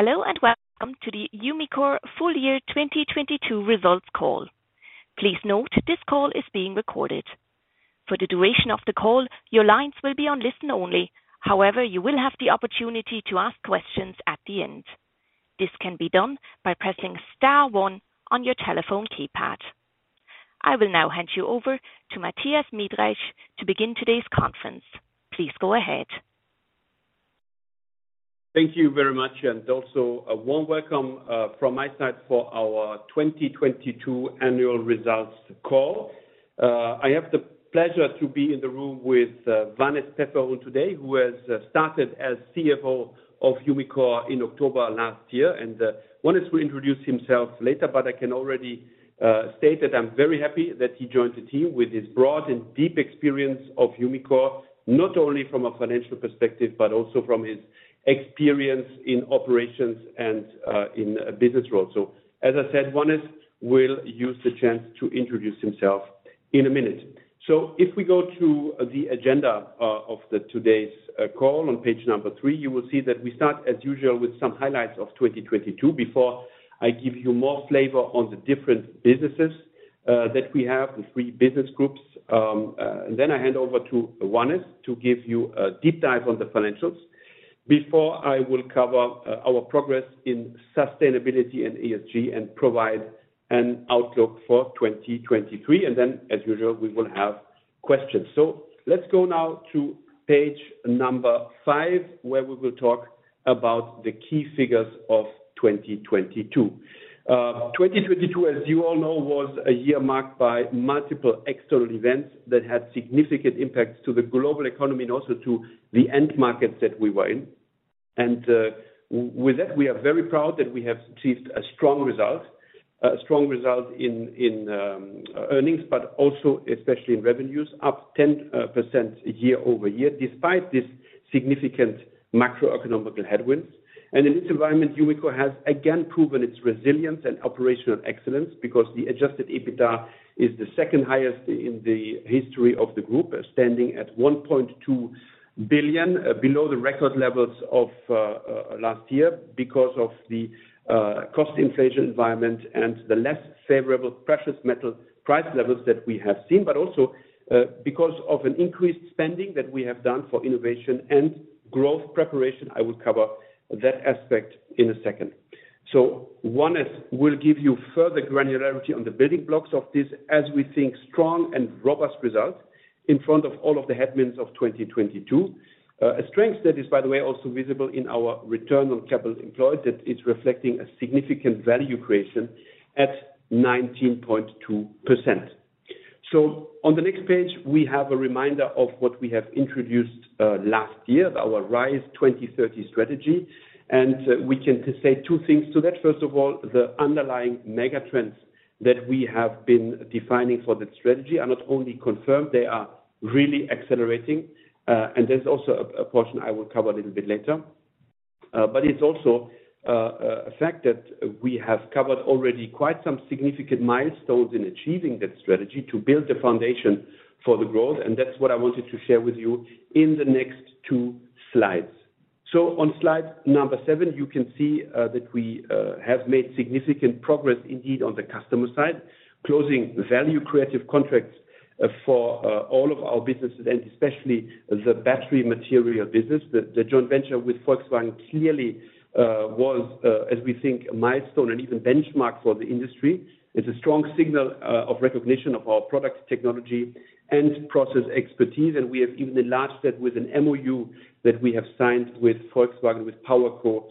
Hello, welcome to the Umicore full-year 2022 Results Call. Please note this call is being recorded. For the duration of the call, your lines will be on listen only. However, you will have the opportunity to ask questions at the end. This can be done by pressing star one on your telephone keypad. I will now hand you over to Mathias Miedreich to begin today's conference. Please go ahead. Thank you very much, and also a warm welcome from my side for our 2022 annual results call. I have the pleasure to be in the room with Wannes Peferoen today, who has started as CFO of Umicore in October last year. Wannes will introduce himself later, but I can already state that I'm very happy that he joined the team with his broad and deep experience of Umicore, not only from a financial perspective, but also from his experience in operations and in a business role. As I said, Wannes will use the chance to introduce himself in a minute. If we go to the agenda, of today's call on page three, you will see that we start, as usual, with some highlights of 2022 before I give you more flavor on the different businesses, that we have, the three business groups. I hand over to Wannes to give you a deep dive on the financials before I will cover our progress in sustainability and ESG and provide an outlook for 2023. As usual, we will have questions. Let's go now to page five, where we will talk about the key figures of 2022. 2022, as you all know, was a year marked by multiple external events that had significant impacts to the global economy and also to the end markets that we were in. With that, we are very proud that we have achieved a strong result, a strong result in earnings, but also especially in revenues, up 10% year-over-year, despite this significant macroeconomic headwinds. In this environment, Umicore has again proven its resilience and operational excellence because the adjusted EBITDA is the second highest in the history of the group, standing at 1.2 billion below the record levels of last year because of the cost inflation environment and the less favorable precious metal price levels that we have seen, but also because of an increased spending that we have done for innovation and growth preparation. I will cover that aspect in a second. Wannes will give you further granularity on the building blocks of this as we think strong and robust results in front of all of the headwinds of 2022. A strength that is, by the way, also visible in our return on capital employed, that is reflecting a significant value creation at 19.2%. On the next page, we have a reminder of what we have introduced last year, our RISE 2030 strategy, and we can say two things to that. First of all, the underlying megatrends that we have been defining for that strategy are not only confirmed, they are really accelerating, and there's also a portion I will cover a little bit later. It's also a fact that we have covered already quite some significant milestones in achieving that strategy to build the foundation for the growth, and that's what I wanted to share with you in the next 2 slides. On slide number 7, you can see that we have made significant progress indeed on the customer side, closing value creative contracts for all of our businesses and especially the battery material business. The joint venture with Volkswagen clearly was, as we think, a milestone and even benchmark for the industry. It's a strong signal of recognition of our products technology and process expertise, and we have even enlarged that with an MOU that we have signed with Volkswagen, with PowerCo,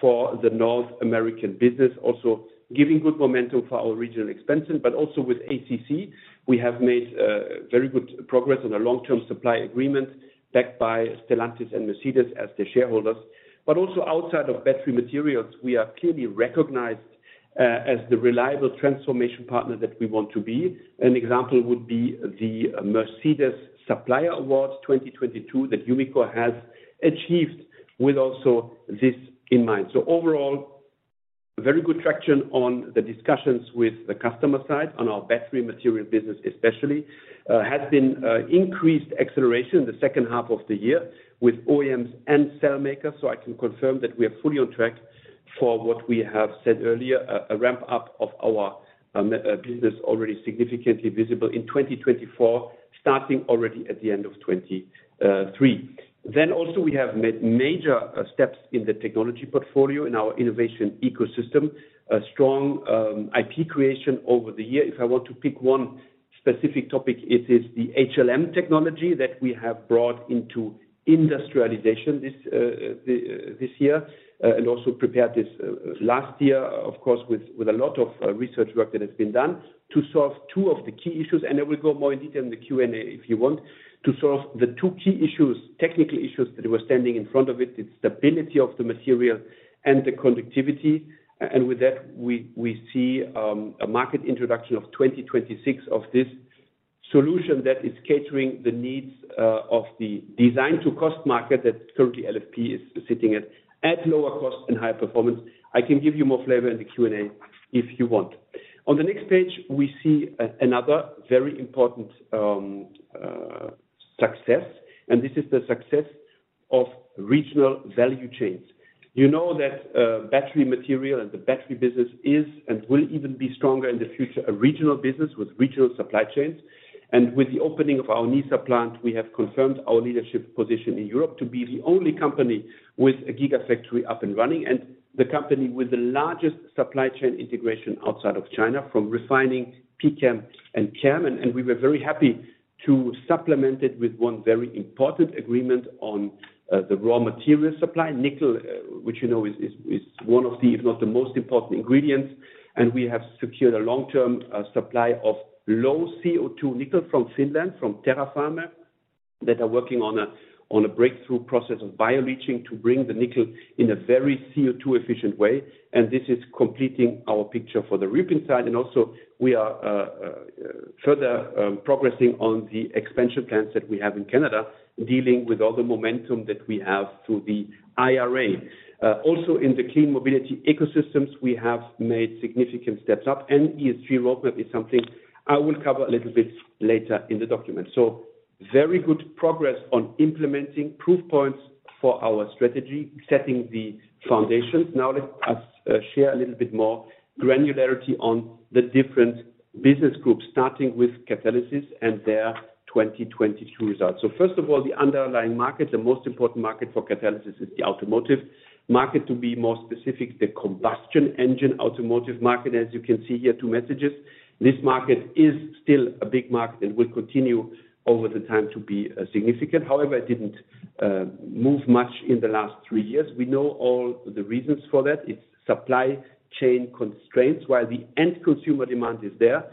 for the North American business, also giving good momentum for our regional expansion, but also with ACC. We have made very good progress on a long-term supply agreement backed by Stellantis and Mercedes as their shareholders. Also outside of battery materials, we are clearly recognized as the reliable transformation partner that we want to be. An example would be the Mercedes Supplier Awards 2022 that Umicore has achieved with also this in mind. Overall, very good traction on the discussions with the customer side on our battery material business especially has been increased acceleration in the second half of the year with OEMs and cell makers. I can confirm that we are fully on track for what we have said earlier, a ramp up of our business already significantly visible in 2024, starting already at the end of 2023. Also we have made major steps in the technology portfolio in our innovation ecosystem, a strong IP creation over the years. If I want to pick one specific topic, it is the HLM technology that we have brought into industrialization this year and also prepared this last year, of course, with a lot of research work that has been done to solve two of the key issues. I will go more in detail in the Q&A if you want. To solve the two key issues, technical issues that were standing in front of it, the stability of the material and the conductivity. With that, we see a market introduction of 2026 of this solution that is catering the needs of the design to cost market that currently LFP is sitting at lower cost and high performance. I can give you more flavor in the Q&A if you want. On the next page, we see another very important success, and this is the success of regional value chains. You know that battery material and the battery business is and will even be stronger in the future, a regional business with regional supply chains. With the opening of our Nysa plant, we have confirmed our leadership position in Europe to be the only company with a gigafactory up and running, and the company with the largest supply chain integration outside of China, from refining, PCAM, and CAM. We were very happy to supplement it with one very important agreement on the raw material supply, nickel, which, you know, is one of the, if not the most important ingredients. We have secured a long-term supply of low CO₂ nickel from Finland, from Terrafame, that are working on a breakthrough process of bioleaching to bring the nickel in a very CO₂ efficient way. This is completing our picture for the ripping side. Also we are further progressing on the expansion plans that we have in Canada, dealing with all the momentum that we have through the IRA. Also in the clean mobility ecosystems, we have made significant steps up, and ESG roadmap is something I will cover a little bit later in the document. Very good progress on implementing proof points for our strategy, setting the foundation. Now let us share a little bit more granularity on the different business groups, starting with Catalysis and their 2022 results. First of all, the underlying market, the most important market for Catalysis is the automotive market, to be more specific, the combustion engine automotive market. As you can see here, two messages. This market is still a big market and will continue over the time to be significant. However, it didn't move much in the last three years. We know all the reasons for that. It's supply chain constraints. While the end consumer demand is there,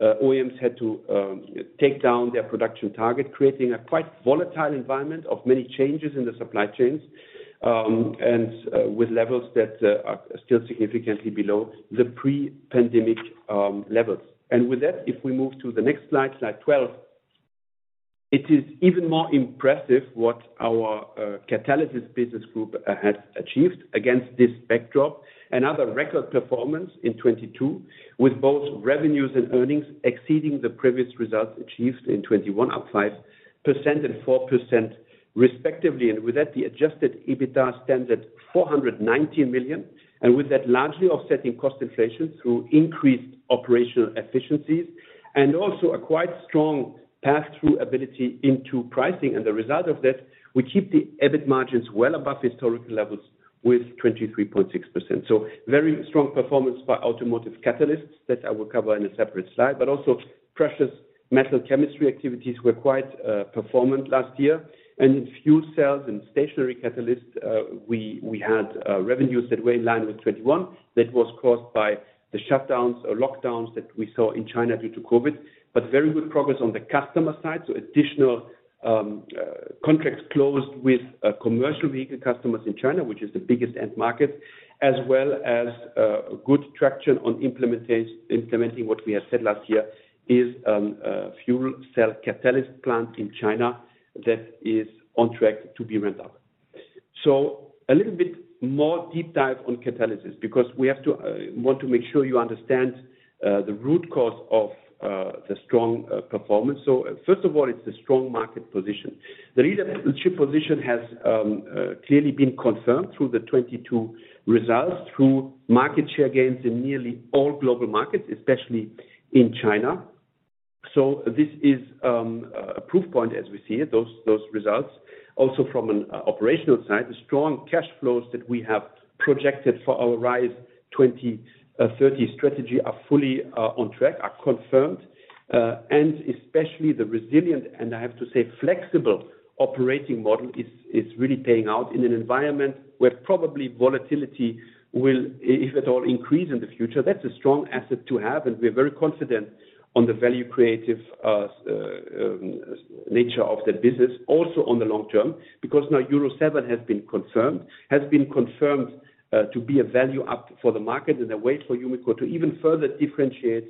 OEMs had to take down their production target, creating a quite volatile environment of many changes in the supply chains, with levels that are still significantly below the pre-pandemic levels. If we move to the next slide 12, it is even more impressive what our Catalysis business group has achieved against this backdrop. Another record performance in 2022, with both revenues and earnings exceeding the previous results achieved in 2021, up 5% and 4% respectively. The adjusted EBITDA stands at 490 million. Largely offsetting cost inflation through increased operational efficiencies and also a quite strong passthrough ability into pricing. We keep the EBIT margins well above historical levels with 23.6%. Very strong performance by Automotive Catalysts that I will cover in a separate slide. Also Precious Metals Chemistry activities were quite performant last year. In Fuel Cell & Stationary Catalysts, we had revenues that were in line with 2021. That was caused by the shutdowns or lockdowns that we saw in China due to COVID. Very good progress on the customer side. Additional contracts closed with commercial vehicle customers in China, which is the biggest end market, as well as good traction on implementing what we had said last year is a fuel cell catalyst plant in China that is on track to be ramped up. A little bit more deep dive on Catalysis because we have to want to make sure you understand the root cause of the strong performance. First of all, it's the strong market position. The leadership position has clearly been confirmed through the 2022 results, through market share gains in nearly all global markets, especially in China. This is a proof point as we see it, those results. From an operational side, the strong cash flows that we have projected for our Umicore 2030 RISE strategy are fully on track, are confirmed. Especially the resilient, and I have to say flexible operating model is really paying out in an environment where probably volatility will, if at all, increase in the future. That's a strong asset to have, and we're very confident on the value creative nature of that business. Also on the long term, because now Euro 7 has been confirmed to be a value up for the market and a way for Umicore to even further differentiate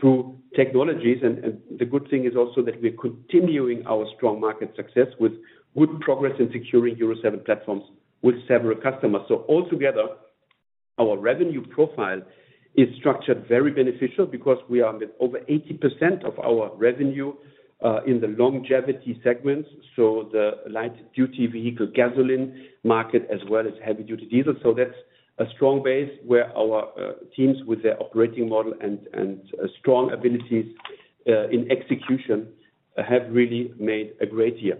through technologies. The good thing is also that we're continuing our strong market success with good progress in securing Euro 7 platforms with several customers. Altogether, our revenue profile is structured very beneficial because we are with over 80% of our revenue in the longevity segments, so the light-duty vehicle gasoline market as well as heavy-duty diesel. That's a strong base where our teams with their operating model and strong abilities in execution have really made a great year.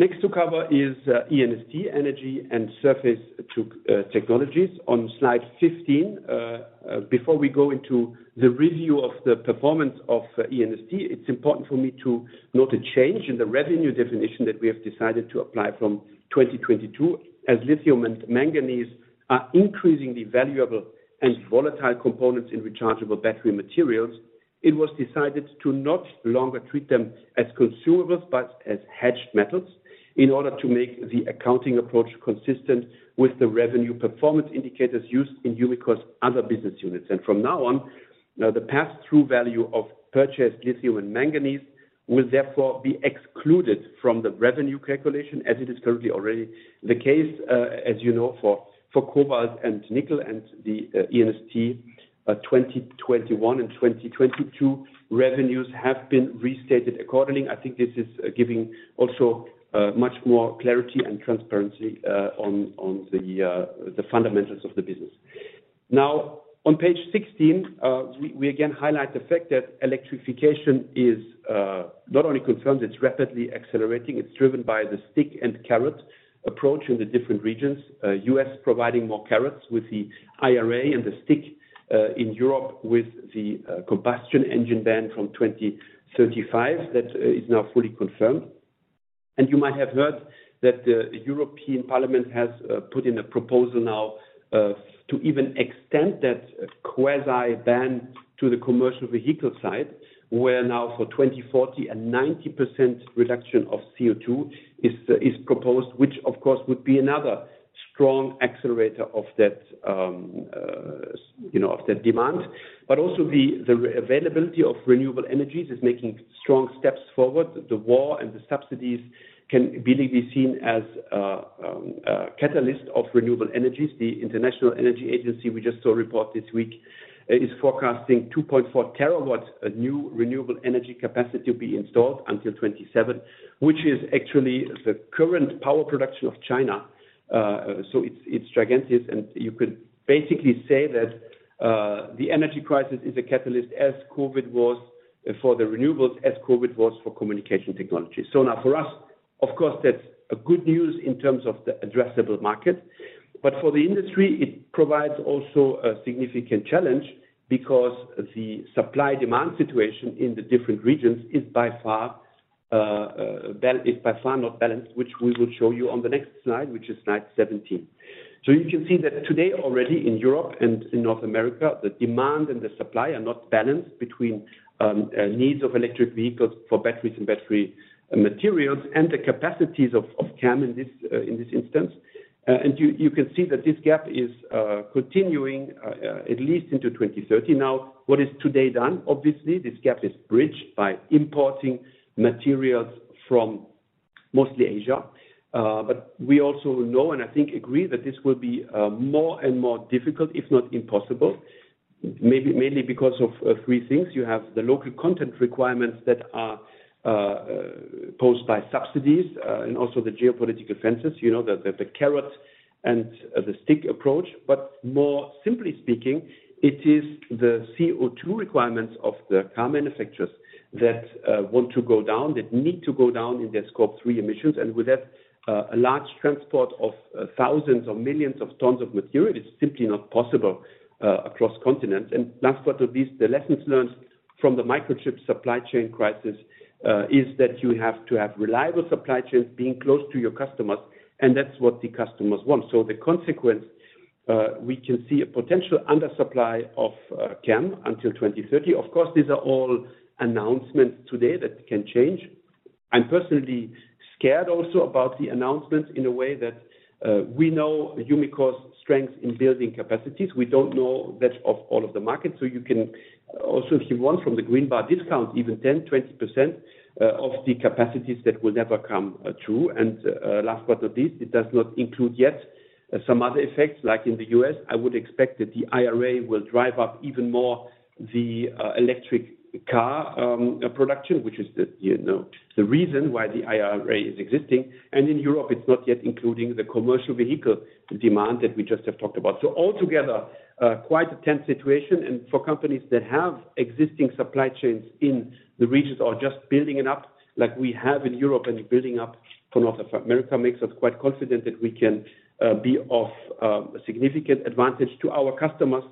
Next to cover is E&ST, Energy & Surface Technologies on slide 15. Before we go into the review of the performance of E&ST, it's important for me to note a change in the revenue definition that we have decided to apply from 2022. As lithium and manganese are increasingly valuable and volatile components in Rechargeable Battery Materials, it was decided to no longer treat them as consumables, but as hedged metals in order to make the accounting approach consistent with the revenue performance indicators used in Umicore's other business units. Now, the pass-through value of purchased lithium and manganese will therefore be excluded from the revenue calculation, as it is currently already the case, as you know, for cobalt and nickel and the E&ST 2021 and 2022 revenues have been restated accordingly. I think this is giving also much more clarity and transparency on the fundamentals of the business. Now on page sixteen, we again highlight the fact that electrification is not only confirmed, it's rapidly accelerating. It's driven by the stick and carrot approach in the different regions. U.S. providing more carrots with the IRA and the stick in Europe with the combustion engine ban from 2035. That is now fully confirmed. You might have heard that the European Parliament has put in a proposal now to even extend that quasi ban to the commercial vehicle side, where now for 2040 a 90% reduction of CO2 is proposed, which of course would be another strong accelerator of that, you know, of that demand. Also the availability of renewable energies is making strong steps forward. The war and the subsidies can really be seen as a catalyst of renewable energies. The International Energy Agency, we just saw a report this week, is forecasting 2.4 terawatts new renewable energy capacity be installed until 2027, which is actually the current power production of China. It's gigantic. You could basically say that the energy crisis is a catalyst, as COVID was for the renewables, as COVID was for communication technology. Now for us, of course, that's a good news in terms of the addressable market. For the industry it provides also a significant challenge because the supply demand situation in the different regions is by far not balanced, which we will show you on the next slide, which is slide 17. You can see that today already in Europe and in North America, the demand and the supply are not balanced between needs of electric vehicles for batteries and battery materials and the capacities of CAM in this instance. You can see that this gap is continuing at least into 2030. What is today done, obviously this gap is bridged by importing materials from mostly Asia. We also know, and I think agree that this will be more and more difficult, if not impossible, mainly because of three things. You have the local content requirements that are posed by subsidies, and also the geopolitical fences. You know, the carrot and the stick approach. More simply speaking, it is the CO2 requirements of the car manufacturers that want to go down, that need to go down in their Scope 3 emissions. With that, a large transport of thousands or millions of tons of material is simply not possible across continents. Last but not least, the lessons learned from the microchip supply chain crisis, is that you have to have reliable supply chains being close to your customers, and that's what the customers want. The consequence, we can see a potential undersupply of CAM until 2030. Of course, these are all announcements today that can change. I'm personally scared also about the announcements in a way that, we know Umicore's strength in building capacities. We don't know that of all of the markets. You can also, if you want from the green bar discount even 10%-20% of the capacities that will never come true. Last but not least, it does not include yet some other effects like in the U.S. I would expect that the IRA will drive up even more the electric car production, which is, you know, the reason why the IRA is existing. In Europe it's not yet including the commercial vehicle demand that we just have talked about. Altogether, quite a tense situation and for companies that have existing supply chains in the regions or just building it up like we have in Europe and building up for North America, makes us quite confident that we can be of significant advantage to our customers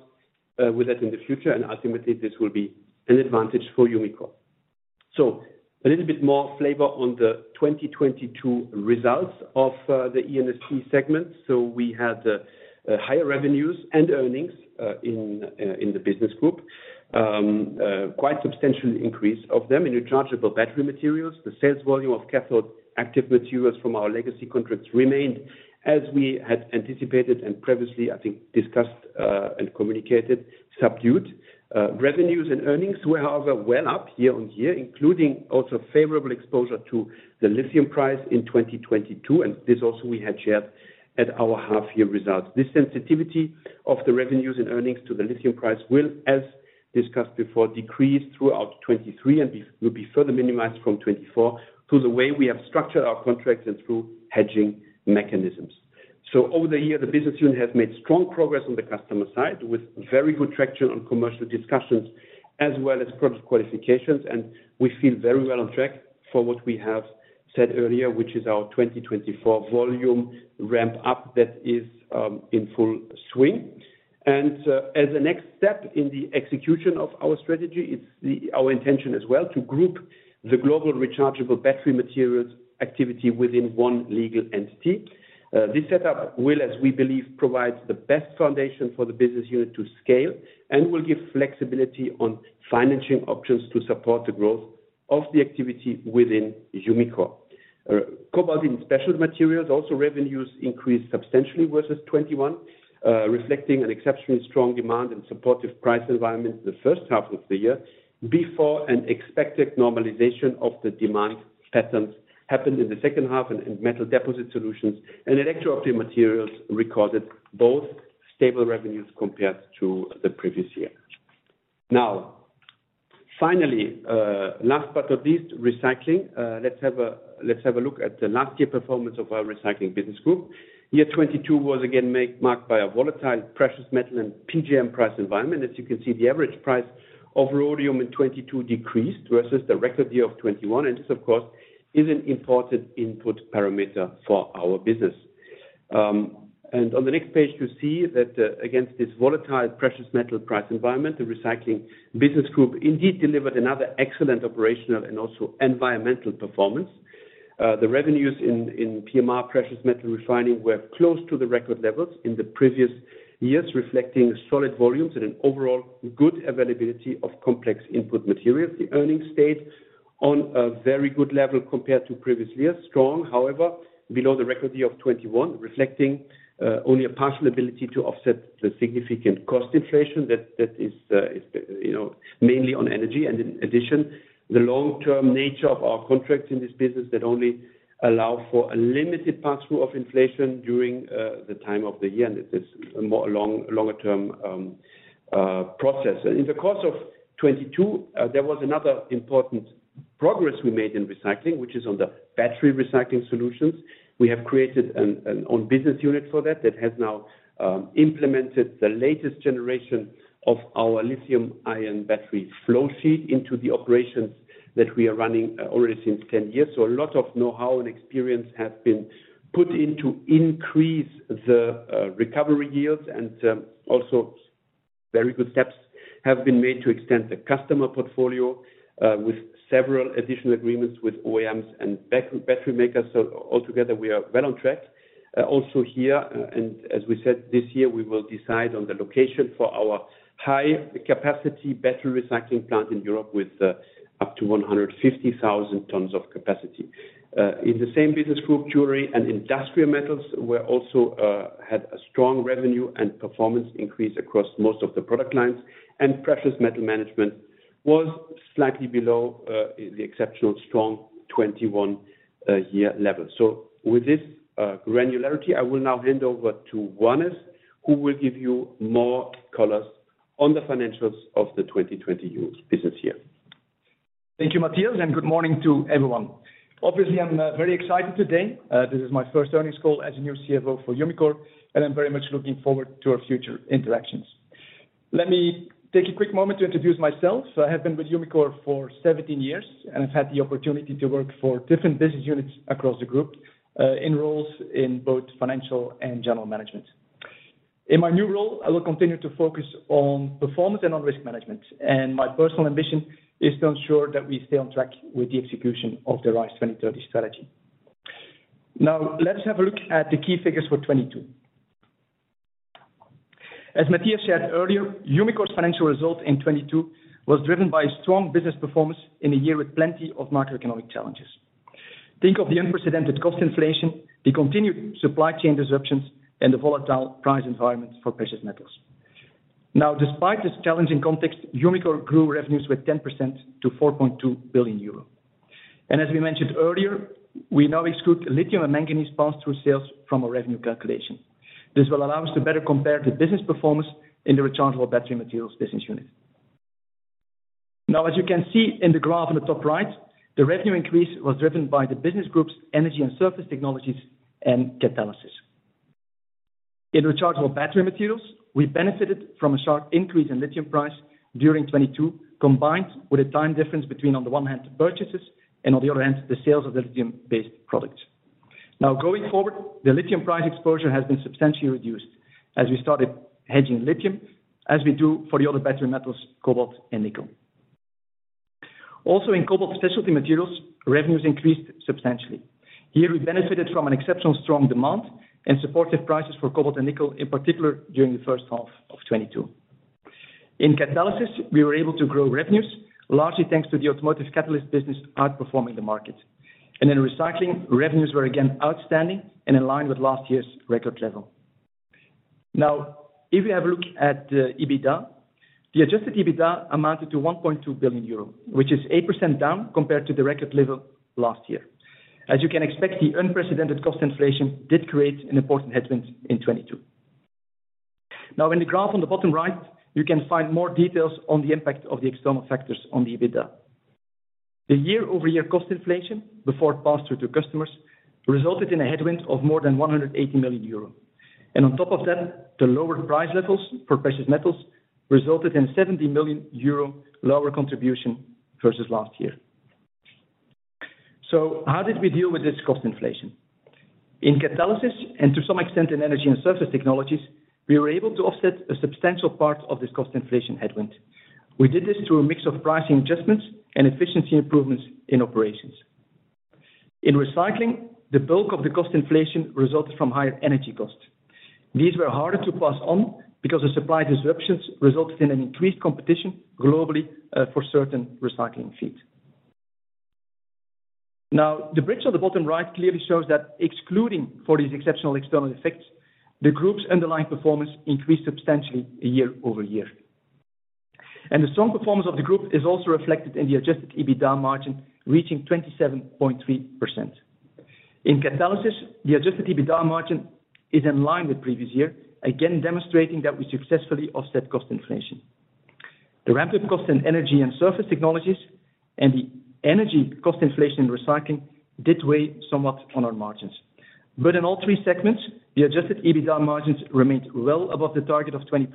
with that in the future. Ultimately, this will be an advantage for Umicore. A little bit more flavor on the 2022 results of the E&ST segment. We had higher revenues and earnings in the business group. Quite substantial increase of them in Rechargeable Battery Materials. The sales volume of cathode active materials from our legacy contracts remained as we had anticipated and previously, I think, discussed and communicated, subdued. Revenues and earnings were, however, well up year-over-year, including also favorable exposure to the lithium price in 2022. This also we had shared at our half year results. This sensitivity of the revenues and earnings to the lithium price will, as discussed before, decrease throughout 2023 and will be further minimized from 2024 through the way we have structured our contracts and through hedging mechanisms. Over the years, the business unit has made strong progress on the customer side with very good traction on commercial discussions as well as product qualifications. We feel very well on track for what we have said earlier, which is our 2024 volume ramp-up that is in full swing. As a next step in the execution of our strategy, it's our intention as well to group the global Rechargeable Battery Materials activity within one legal entity. This setup will, as we believe, provide the best foundation for the business unit to scale and will give flexibility on financing options to support the growth of the activity within Umicore. Cobalt & Specialty Materials also revenues increased substantially versus 2021, reflecting an exceptionally strong demand and supportive price environment in the first half of the year before an expected normalization of the demand patterns happened in the second half in Metal Deposition Solutions. Electro-Optic Materials recorded both stable revenues compared to the previous year. Finally, last but not least, Recycling. Let's have a look at the last year performance of our Recycling Business Group. Year 2022 was again marked by a volatile precious metal and PGM price environment. As you can see, the average price of rhodium in 2022 decreased versus the record year of 2021. This, of course, is an important input parameter for our business. On the next page, you see that, against this volatile precious metal price environment, the Recycling Business Group indeed delivered another excellent operational and also environmental performance. The revenues in PMR, Precious Metals Refining, were close to the record levels in the previous years, reflecting solid volumes and an overall good availability of complex input materials. The earnings stayed on a very good level compared to previous years. Strong, however, below the record year of 2021, reflecting only a partial ability to offset the significant cost inflation that is, you know, mainly on energy. In addition, the long-term nature of our contracts in this business that only allow for a limited pass-through of inflation during the time of the year. It is a more longer-term process. In the course of 2022, there was another important progress we made in Recycling, which is on the battery recycling solutions. We have created an own business unit for that has now implemented the latest generation of our lithium-ion battery flow sheet into the operations that we are running already since ten years. A lot of know-how and experience has been put in to increase the recovery yields. Also very good steps have been made to extend the customer portfolio with several additional agreements with OEMs and battery makers. Altogether, we are well on track also here. As we said this year, we will decide on the location for our high capacity battery recycling plant in Europe with up to 150,000 tons of capacity. In the same business group, Jewelry & Industrial Metals were also had a strong revenue and performance increase across most of the product lines. Precious Metals Management was slightly below the exceptional strong 2021 year level. With this granularity, I will now hand over to Wannes, who will give you more colors on the financials of the 2020 business year. Thank you, Mathias. Good morning to everyone. Obviously, I'm very excited today. This is my first earnings call as a new CFO for Umicore, and I'm very much looking forward to our future interactions. Let me take a quick moment to introduce myself. I have been with Umicore for seventeen years, and I've had the opportunity to work for different business units across the group in roles in both financial and general management. In my new role, I will continue to focus on performance and on risk management. My personal ambition is to ensure that we stay on track with the execution of the 2030 RISE strategy. Now, let's have a look at the key figures for 2022. As Mathias shared earlier, Umicore's financial result in 2022 was driven by a strong business performance in a year with plenty of macroeconomic challenges. Think of the unprecedented cost inflation, the continued supply chain disruptions, and the volatile price environments for precious metals. Despite this challenging context, Umicore grew revenues with 10% to 4.2 billion euro. As we mentioned earlier, we now exclude lithium and manganese pass-through sales from our revenue calculation. This will allow us to better compare the business performance in the Rechargeable Battery Materials business unit. As you can see in the graph on the top right, the revenue increase was driven by the business groups Energy & Surface Technologies and Catalysis. In Rechargeable Battery Materials, we benefited from a sharp increase in lithium price during '22, combined with a time difference between, on the one hand, purchases and on the other hand, the sales of the lithium-based products. Going forward, the lithium price exposure has been substantially reduced as we started hedging lithium, as we do for the other battery metals, cobalt and nickel. In Cobalt & Specialty Materials, revenues increased substantially. Here we benefited from an exceptional strong demand and supportive prices for cobalt and nickel, in particular during the first half of 2022. In Catalysis, we were able to grow revenues, largely thanks to the Automotive Catalysts business outperforming the market. In Recycling, revenues were again outstanding and in line with last year's record level. If you have a look at the EBITDA, the adjusted EBITDA amounted to 1.2 billion euro, which is 8% down compared to the record level last year. As you can expect, the unprecedented cost inflation did create an important headwind in 2022. In the graph on the bottom right, you can find more details on the impact of the external factors on the EBITDA. The year-over-year cost inflation before it passed through to customers resulted in a headwind of more than 180 million euro. On top of that, the lower price levels for precious metals resulted in 70 million euro lower contribution versus last year. How did we deal with this cost inflation? In Catalysis, and to some extent in Energy & Surface Technologies, we were able to offset a substantial part of this cost inflation headwind. We did this through a mix of pricing adjustments and efficiency improvements in operations. In Recycling, the bulk of the cost inflation resulted from higher energy costs. These were harder to pass on because the supply disruptions resulted in an increased competition globally for certain recycling feed. Now, the bridge on the bottom right clearly shows that excluding for these exceptional external effects, the group's underlying performance increased substantially year-over-year. The strong performance of the group is also reflected in the adjusted EBITDA margin, reaching 27.3%. In Catalysis, the adjusted EBITDA margin is in line with previous year, again demonstrating that we successfully offset cost inflation. The rapid cost in Energy & Surface Technologies and the energy cost inflation in Recycling did weigh somewhat on our margins. In all three segments, the adjusted EBITDA margins remained well above the target of 20%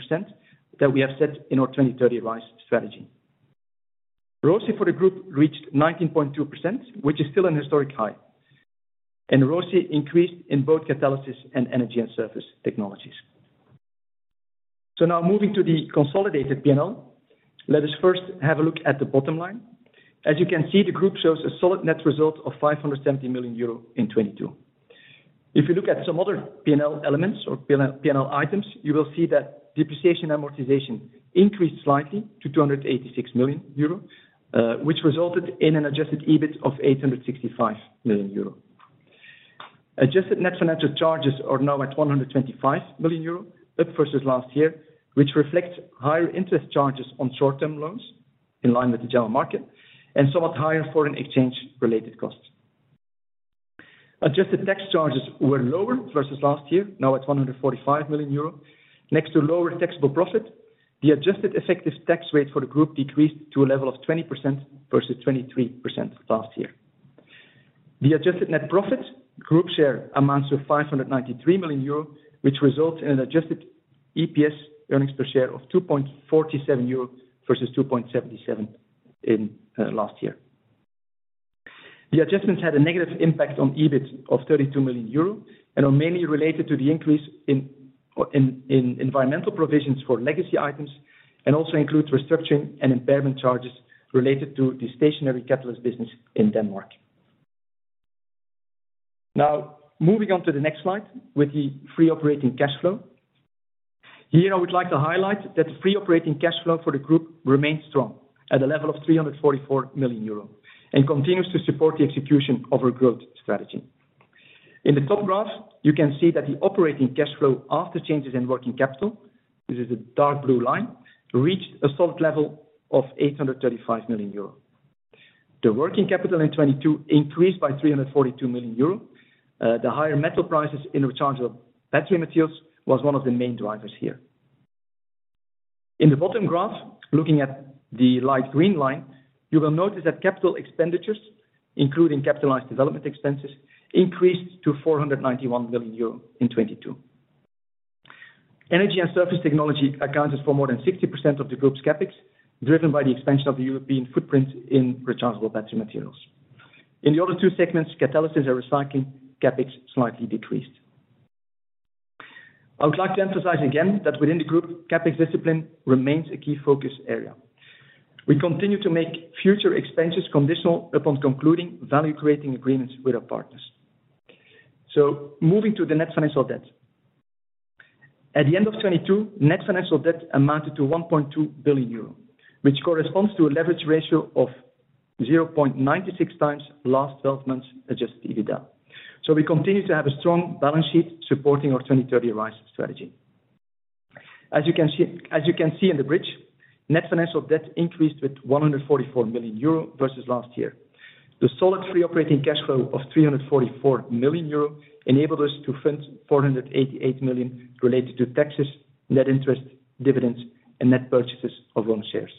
that we have set in our 2030 RISE strategy. ROCE for the group reached 19.2%, which is still an historic high. ROCE increased in both Catalysis and Energy & Surface Technologies. Now moving to the consolidated P&L, let us first have a look at the bottom line. As you can see, the group shows a solid net result of 570 million euro in 2022. If you look at some other P&L elements or P&L items, you will see that depreciation amortization increased slightly to 286 million euro, which resulted in an adjusted EBIT of 865 million euro. Adjusted net financial charges are now at 125 million euro, up versus last year, which reflects higher interest charges on short-term loans in line with the general market, and somewhat higher foreign exchange related costs. Adjusted tax charges were lower versus last year, now at 145 million euro. Next to lower taxable profit, the adjusted effective tax rate for the group decreased to a level of 20% versus 23% last year. The adjusted net profit group share amounts to 593 million euro, which results in an adjusted EPS, earnings per share, of 2.47 euro versus 2.77 in last year. The adjustments had a negative impact on EBIT of 32 million euro and are mainly related to the increase in environmental provisions for legacy items, and also includes restructuring and impairment charges related to the stationary catalyst business in Denmark. Now, moving on to the next slide with the free operating cash flow. Here, I would like to highlight that the free operating cash flow for the group remains strong at a level of 344 million euro and continues to support the execution of our growth strategy. In the top graph, you can see that the operating cash flow after changes in working capital, this is the dark blue line, reached a solid level of 835 million euro. The working capital in 2022 increased by 342 million euro. The higher metal prices in Rechargeable Battery Materials was one of the main drivers here. In the bottom graph, looking at the light green line, you will notice that capital expenditures, including capitalized development expenses, increased to 491 million euro in 2022. Energy & Surface Technologies accounted for more than 60% of the group's Capex, driven by the expansion of the European footprint in Rechargeable Battery Materials. In the other two segments, Catalysis and Recycling, Capex slightly decreased. I would like to emphasize again that within the group, Capex discipline remains a key focus area. We continue to make future expenses conditional upon concluding value creating agreements with our partners. Moving to the net financial debt. At the end of 2022, net financial debt amounted to 1.2 billion euro, which corresponds to a leverage ratio of 0.96 times last 12 months adjusted EBITDA. We continue to have a strong balance sheet supporting our 2030 RISE strategy. As you can see in the bridge, net financial debt increased with 144 million euro versus last year. The solid free operating cash flow of 344 million euro enabled us to fund 488 million related to taxes, net interest, dividends, and net purchases of own shares.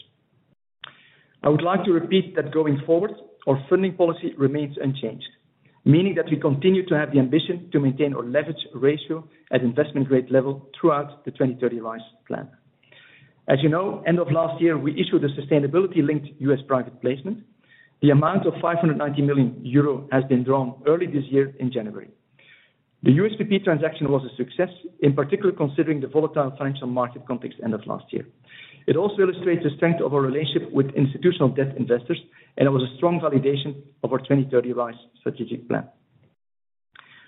I would like to repeat that going forward, our funding policy remains unchanged, meaning that we continue to have the ambition to maintain our leverage ratio at investment grade level throughout the 2030 RISE plan. As you know, end of last year, we issued a sustainability linked US private placement. The amount of 590 million euro has been drawn early this year in January. The USPP transaction was a success, in particular considering the volatile financial market context end of last year. It also illustrates the strength of our relationship with institutional debt investors, and it was a strong validation of our 2030 RISE strategic plan.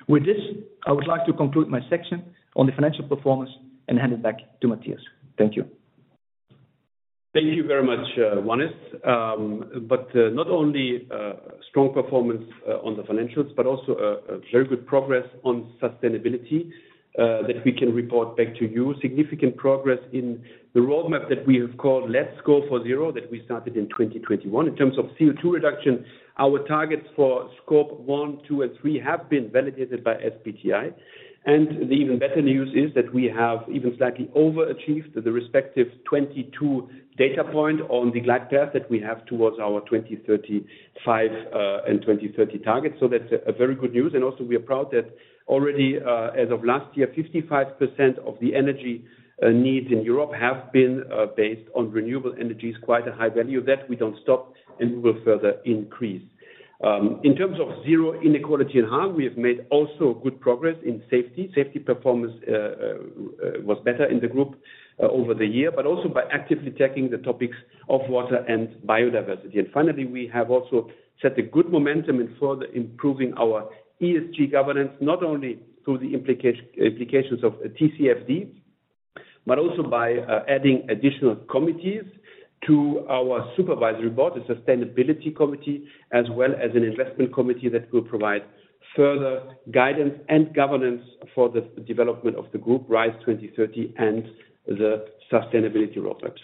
With this, I would like to conclude my section on the financial performance and hand it back to Mathias. Thank you. Thank you very much, Wannes. Not only strong performance on the financials, but also a very good progress on sustainability that we can report back to you. Significant progress in the roadmap that we have called Let's go for Zero, that we started in 2021. In terms of CO₂ reduction, our targets for Scope 1, 2, and 3 have been validated by SBTI. The even better news is that we have even slightly overachieved the respective 22 data point on the glide path that we have towards our 2035 and 2030 target. That's a very good news. Also we are proud that already as of last year, 55% of the energy needs in Europe have been based on renewable energies, quite a high value. That we don't stop and we will further increase. In terms of zero inequality at hand, we have made also good progress in safety. Safety performance was better in the group over the year, but also by actively tackling the topics of water and biodiversity. Finally, we have also set a good momentum in further improving our ESG governance, not only through the implications of TCFD, but also by adding additional committees to our supervisory board, a sustainability committee, as well as an investment committee that will provide further guidance and governance for the development of the group Umicore 2030 RISE and the sustainability roadmap.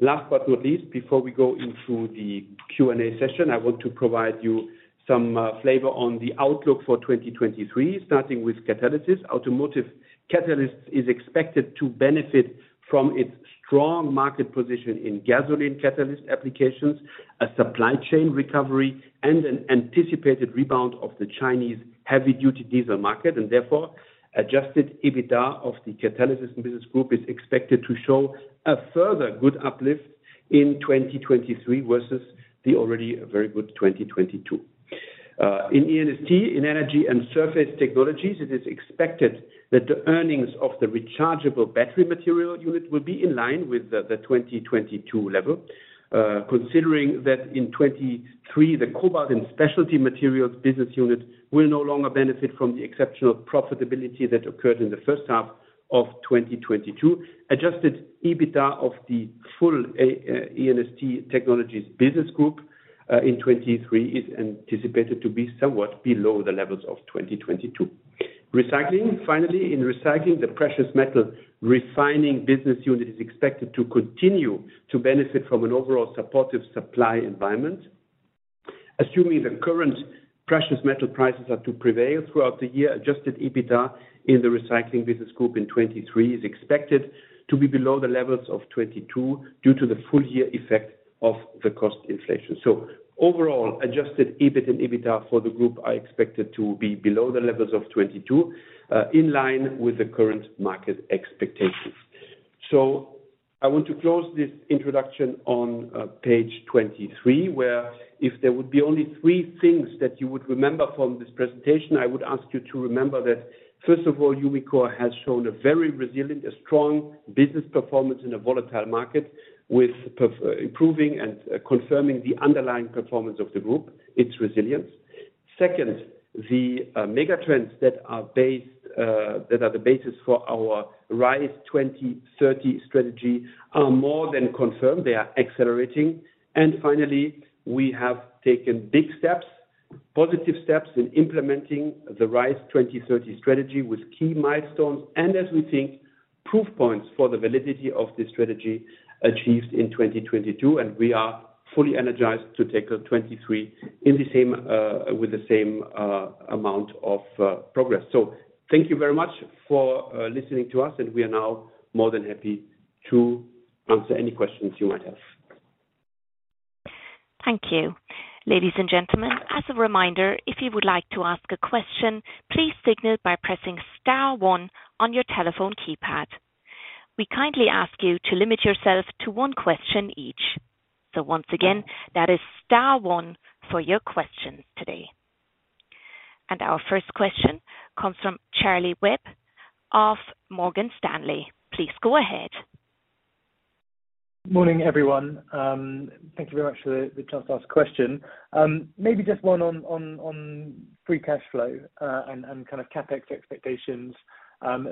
Last but not least, before we go into the Q&A session, I want to provide you some flavor on the outlook for 2023, starting with Catalysis. Automotive Catalysts is expected to benefit from its strong market position in gasoline catalyst applications, a supply chain recovery, and an anticipated rebound of the Chinese heavy-duty diesel market. Therefore, adjusted EBITDA of the Catalysis business group is expected to show a further good uplift in 2023 versus the already very good 2022. In E&ST, in Energy & Surface Technologies, it is expected that the earnings of the Rechargeable Battery Materials unit will be in line with the 2022 level. Considering that in 2023, the Cobalt & Specialty Materials business unit will no longer benefit from the exceptional profitability that occurred in the first half of 2022. Adjusted EBITDA of the full E&ST Technologies business group in 2023 is anticipated to be somewhat below the levels of 2022. Recycling. Finally, in Recycling, the Precious Metals Refining business unit is expected to continue to benefit from an overall supportive supply environment. Assuming the current precious metal prices are to prevail throughout the year, adjusted EBITDA in the Recycling Business Group in 2023 is expected to be below the levels of 2022 due to the full-year effect of the cost inflation. Overall, adjusted EBIT and EBITDA for the group are expected to be below the levels of 2022, in line with the current market expectations. I want to close this introduction on page twenty-three, where if there would be only three things that you would remember from this presentation, I would ask you to remember that, first of all, Umicore has shown a very resilient, a strong business performance in a volatile market with improving and confirming the underlying performance of the group, its resilience. Second, the megatrends that are based that are the basis for our RISE 2030 strategy are more than confirmed. They are accelerating. Finally, we have taken big steps, positive steps in implementing the RISE 2030 strategy with key milestones, and as we think, proof points for the validity of this strategy achieved in 2022. We are fully energized to tackle 2023 in the same with the same amount of progress. Thank you very much for listening to us, and we are now more than happy to answer any questions you might have. Thank you. Ladies and gentlemen, as a reminder, if you would like to ask a question, please signal by pressing star one on your telephone keypad. We kindly ask you to limit yourself to one question each. Once again, that is star one for your questions today. Our first question comes from Charlie Webb of Morgan Stanley. Please go ahead. Morning, everyone. Thank you very much for the chance to ask a question. Maybe just one on free cash flow and kind of CapEx expectations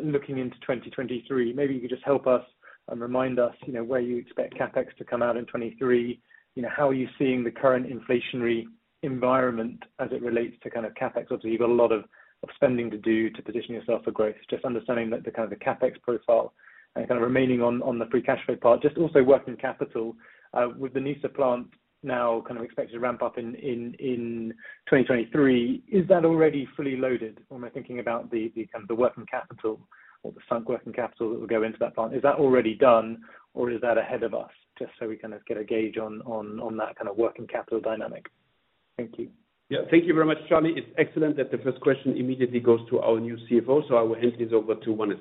looking into 2023. Maybe you could just help us and remind us, you know, where you expect CapEx to come out in 2023. You know, how are you seeing the current inflationary environment as it relates to kind of CapEx? Obviously, you've got a lot of spending to do to position yourself for growth. Just understanding the kind of the CapEx profile and kind of remaining on the free cash flow part. Just also working capital, with the Nysa plant now kind of expected to ramp up in 2023, is that already fully loaded when we're thinking about the kind of the working capital or the sunk working capital that will go into that plant? Is that already done, or is that ahead of us? Just so we kind of get a gauge on that kind of working capital dynamic. Thank you. Yeah. Thank you very much, Charlie. It's excellent that the first question immediately goes to our new CFO, so I will hand this over to Wannes.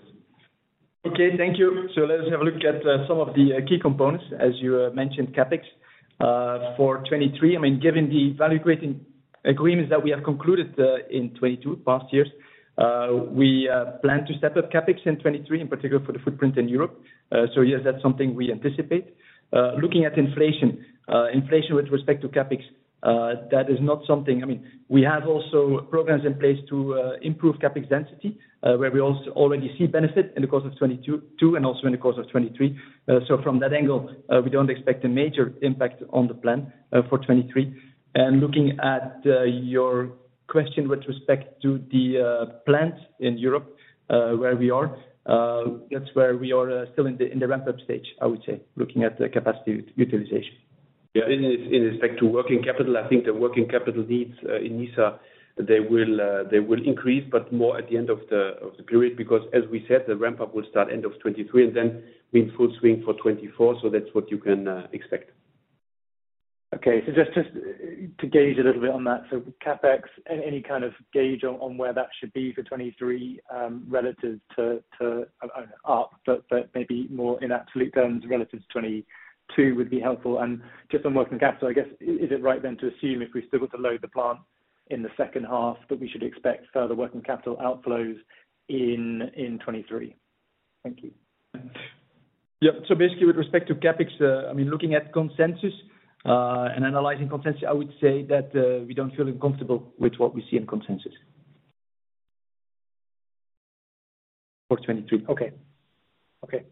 Okay, thank you. Let us have a look at some of the key components, as you mentioned, CapEx, for 2023. I mean, given the valuating agreements that we have concluded, in 2022, past years, we plan to step up CapEx in 2023, in particular for the footprint in Europe. Yes, that's something we anticipate. Looking at inflation with respect to CapEx, that is not something. I mean, we have also programs in place to improve CapEx density, where we also already see benefit in the course of 2022 and also in the course of 2023. From that angle, we don't expect a major impact on the plan, for 2023. Looking at your question with respect to the plant in Europe, where we are, that's where we are, still in the ramp-up stage, I would say, looking at the capacity utilization. Yeah. In respect to working capital, I think the working capital needs in Nysa, they will increase, but more at the end of the period, because as we said, the ramp-up will start end of 2023 and then be in full swing for 2024. That's what you can expect. Okay. Just to gauge a little bit on that, so CapEx, any kind of gauge on where that should be for 2023, relative to up, but maybe more in absolute terms relative to 2022, would be helpful. Just on working capital, I guess, is it right then to assume if we've still got to load the plant in the second half, but we should expect further working capital outflows in 2023. Thank you. Basically with respect to CapEx, I mean, looking at consensus, analyzing consensus, I would say that we don't feel uncomfortable with what we see in consensus. For 2022. Okay. Okay.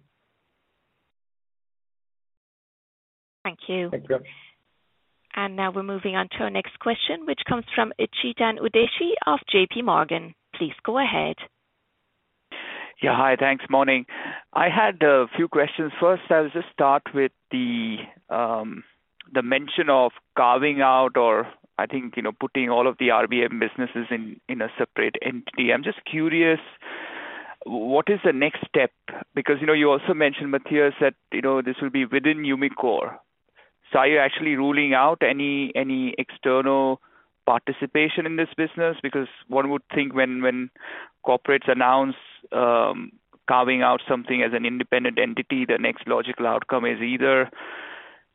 Thank you. Thank you very much. Now we're moving on to our next question, which comes from Chetan Udeshi of JPMorgan. Please go ahead. Yeah. Hi. Thanks, morning. I had a few questions. First, I'll just start with the mention of carving out or I think, you know, putting all of the RBM businesses in a separate entity. I'm just curious, what is the next step? Because, you know, you also mentioned, Mathias, that, you know, this will be within Umicore. Are you actually ruling out any external participation in this business? Because one would think when corporates announce carving out something as an independent entity, the next logical outcome is either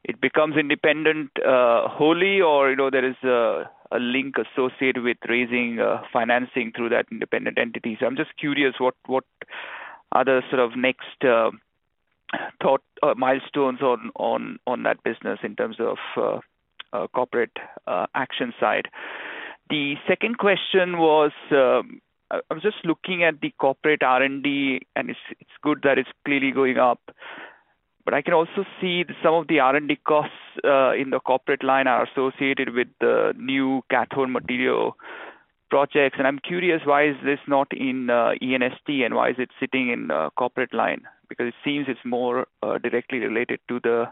it becomes independent wholly or, you know, there is a link associated with raising financing through that independent entity. I'm just curious what are the sort of next milestones on that business in terms of corporate action side. The second question was, I was just looking at the corporate R&D, and it's good that it's clearly going up. I can also see some of the R&D costs in the corporate line are associated with the new cathode material projects. I'm curious why is this not in E&ST, and why is it sitting in the corporate line? It seems it's more directly related to the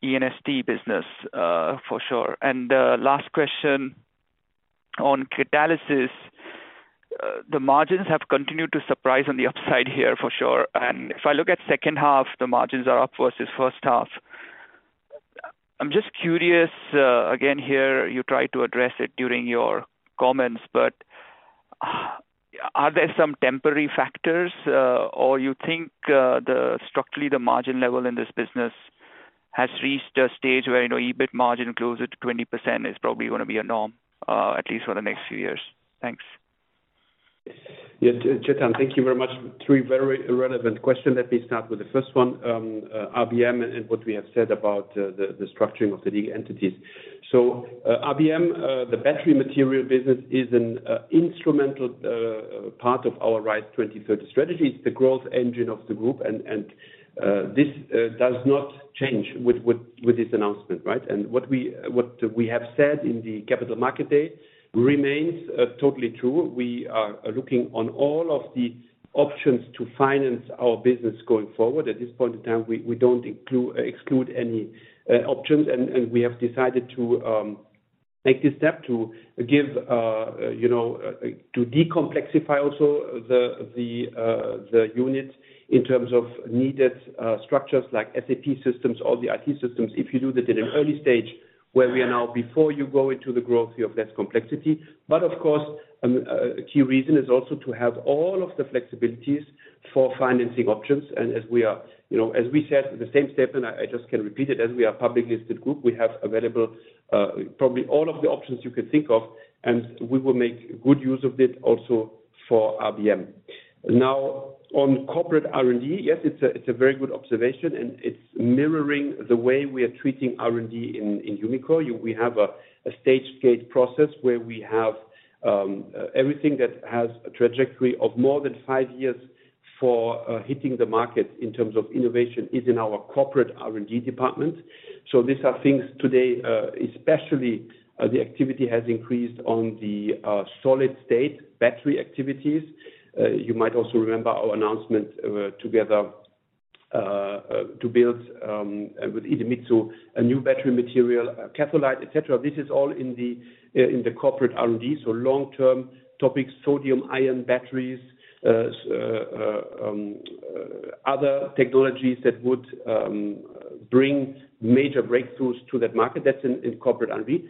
E&ST business for sure. The last question on Catalysis. The margins have continued to surprise on the upside here for sure. If I look at second half, the margins are up versus first half. I'm just curious again here, you tried to address it during your comments, but are there some temporary factors, or you think the structurally, the margin level in this business has reached a stage where, you know, EBIT margin closer to 20% is probably gonna be a norm, at least for the next few years? Thanks. Chetan, thank you very much. Three very relevant questions. Let me start with the first one. RBM and what we have said about the structuring of the legal entities. RBM, the battery material business is an instrumental part of our 2030 RISE strategy. It's the growth engine of the group, and this does not change with this announcement, right? What we have said in the Capital Markets Day remains totally true. We are looking on all of the options to finance our business going forward. At this point in time, we don't exclude any options. We have decided to make this step to give, you know, to decomplexify also the, the unit in terms of needed structures like SAP systems or the IT systems. If you do that at an early stage where we are now, before you go into the growth, you have less complexity. Of course, a key reason is also to have all of the flexibilities for financing options. As we are, you know, as we said in the same statement, I just can repeat it. As we are a publicly listed group, we have available, probably all of the options you can think of, and we will make good use of it also for RBM. Now, on corporate R&D, yes, it's a very good observation, and it's mirroring the way we are treating R&D in Umicore. We have a stage gate process where we have everything that has a trajectory of more than five years for hitting the market in terms of innovation is in our corporate R&D department. These are things today, especially, the activity has increased on the solid-state battery activities. You might also remember our announcement together to build with Idemitsu a new battery material, Catholyte, et cetera. This is all in the corporate R&D, so long-term topics, sodium-ion batteries, other technologies that would bring major breakthroughs to that market. That's in corporate R&D.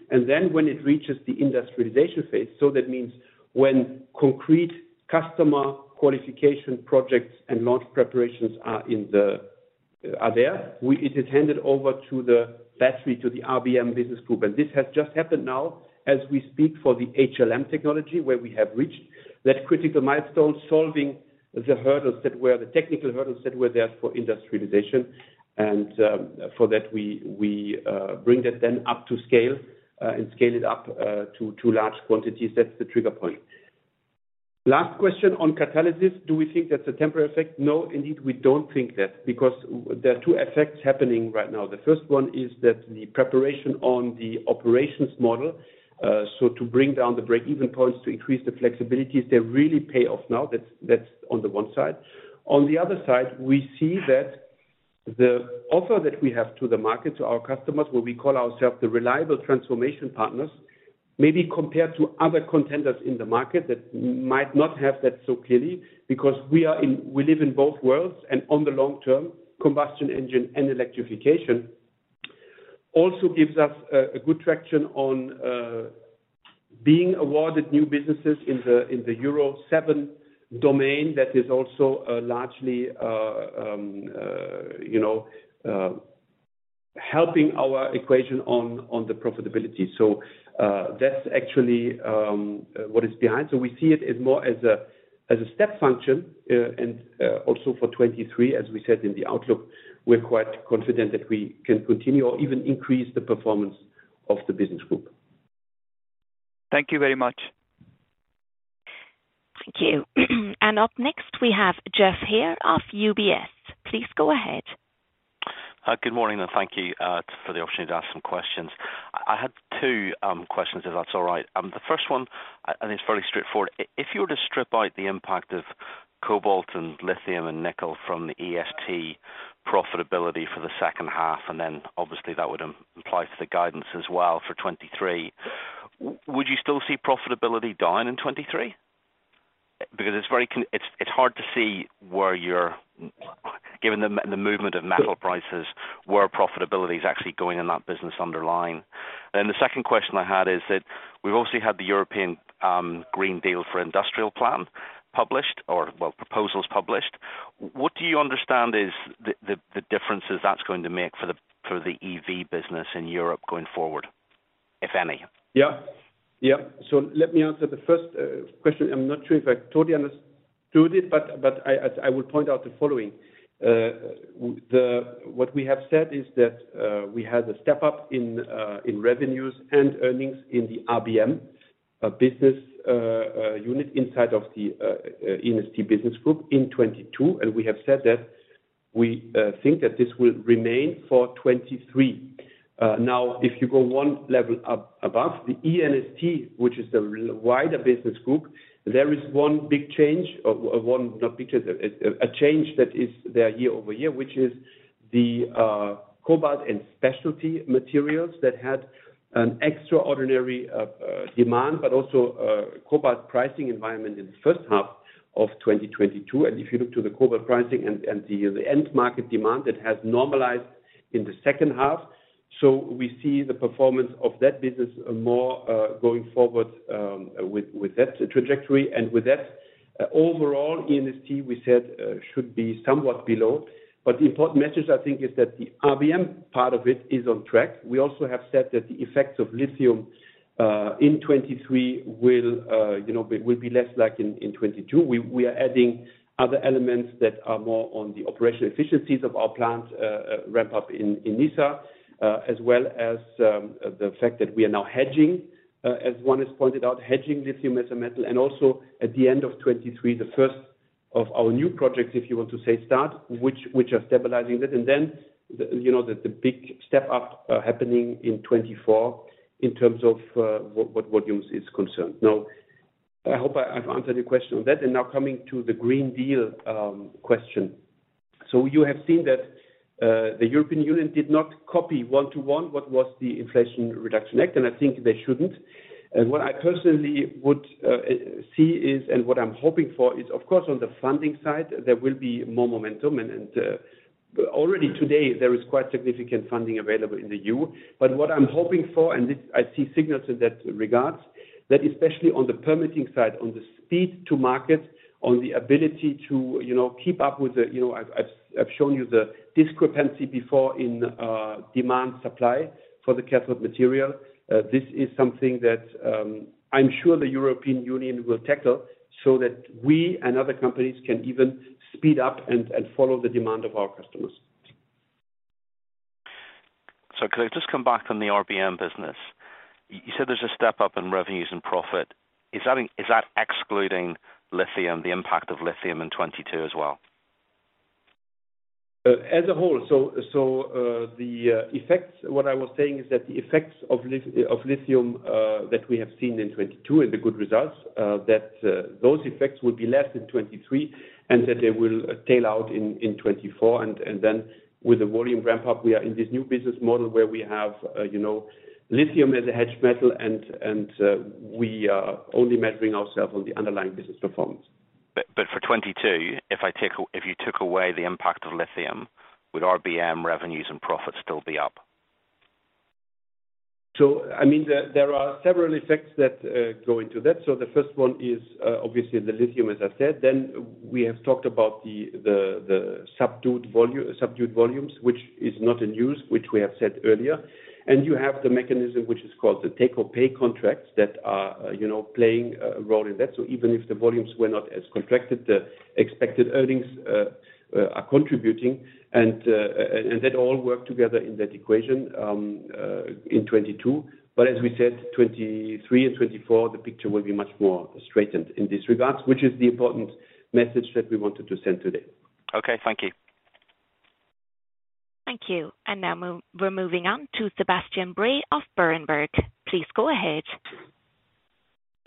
When it reaches the industrialization phase, so that means when concrete customer qualification projects and launch preparations are there, it is handed over to the RBM business group. This has just happened now as we speak for the HLM technology, where we have reached that critical milestone, solving the technical hurdles that were there for industrialization. For that, we bring that then up to scale and scale it up to large quantities. That's the trigger point. Last question on Catalysis. Do we think that's a temporary effect? No, indeed, we don't think that because there are two effects happening right now. The first one is that the preparation on the operations model, so to bring down the break-even points to increase the flexibilities, they really pay off now. That's on the one side. On the other side, we see that the offer that we have to the market, to our customers, where we call ourselves the reliable transformation partners, maybe compared to other contenders in the market that might not have that so clearly, because we live in both worlds, and on the long term, combustion engine and electrification also gives us a good traction on being awarded new businesses in the Euro 7 domain. That is also a largely, you know, helping our equation on the profitability. That's actually what is behind. We see it as more as a step function. Also for 23, as we said in the outlook, we're quite confident that we can continue or even increase the performance of the business group. Thank you very much. Thank you. Up next we have Geoff Haire of UBS. Please go ahead. Hi. Good morning, thank you for the opportunity to ask some questions. I had two questions, if that's all right. The first one, I think is fairly straightforward. If you were to strip out the impact of cobalt and lithium and nickel from the EST profitability for the second half, and then obviously that would apply to the guidance as well for 2023, would you still see profitability down in 2023? It's hard to see where you're, given the movement of metal prices, where profitability is actually going in that business underlying. The second question I had is that we've obviously had the European Green Deal Industrial Plan published or, well, proposals published. What do you understand is the differences that's going to make for the EV business in Europe going forward, if any? Yeah. Let me answer the first question. I'm not sure if I totally understood it, but I will point out the following. What we have said is that we had a step up in revenues and earnings in the RBM business unit inside of the E&ST business group in 2022, and we have said that we think that this will remain for 2023. Now, if you go one level up above the E&ST, which is the wider business group, there is one big change. Not big, a change that is there year-over-year, which is the Cobalt & Specialty Materials that had an extraordinary demand, but also cobalt pricing environment in the first half of 2022. If you look to the cobalt pricing and the end market demand, it has normalized in the second half. We see the performance of that business more going forward with that trajectory. With that, overall E&ST, we said should be somewhat below. The important message, I think, is that the RBM part of it is on track. We also have said that the effects of lithium in 2023 will, you know, will be less like in 2022. We are adding other elements that are more on the operational efficiencies of our plants, ramp up in Nysa, as well as the fact that we are now hedging, as one is pointed out, hedging lithium as a metal and also at the end of 2023, the first of our new projects, if you want to say start, which are stabilizing that. Then, you know, the big step up happening in 2024 in terms of what volumes is concerned. Now, I hope I've answered your question on that. Now coming to the Green Deal question. You have seen that the European Union did not copy one to one what was the Inflation Reduction Act, and I think they shouldn't. What I personally would see is, and what I'm hoping for, is of course on the funding side, there will be more momentum. Already today there is quite significant funding available in the EU. What I'm hoping for, and this I see signals in that regards, that especially on the permitting side, on the speed to market, on the ability to, you know, keep up with the, you know. I've shown you the discrepancy before in demand supply for the cathode material. This is something that I'm sure the European Union will tackle so that we and other companies can even speed up and follow the demand of our customers. Could I just come back on the RBM business? You said there's a step up in revenues and profit. Is that excluding lithium, the impact of lithium in 2022 as well? As a whole. The effects, what I was saying is that the effects of lithium, that we have seen in 2022 and the good results, that those effects will be less in 2023 and that they will tail out in 2024. Then with the volume ramp-up, we are in this new business model where we have, you know, lithium as a hedged metal and we are only measuring ourselves on the underlying business performance. For 2022, if you took away the impact of lithium, would RBM revenues and profits still be up? I mean, there are several effects that go into that. The first one is obviously the lithium, as I said. We have talked about the subdued volume, subdued volumes, which is not in use, which we have said earlier. You have the mechanism which is called the take-or-pay contracts, that are, you know, playing a role in that. Even if the volumes were not as contracted, the expected earnings are contributing. That all work together in that equation in 2022. As we said, 2023 and 2024, the picture will be much more straightened in this regard, which is the important message that we wanted to send today. Okay, thank you. Thank you. And now we're moving on to Sebastian Bray of Berenberg. Please go ahead.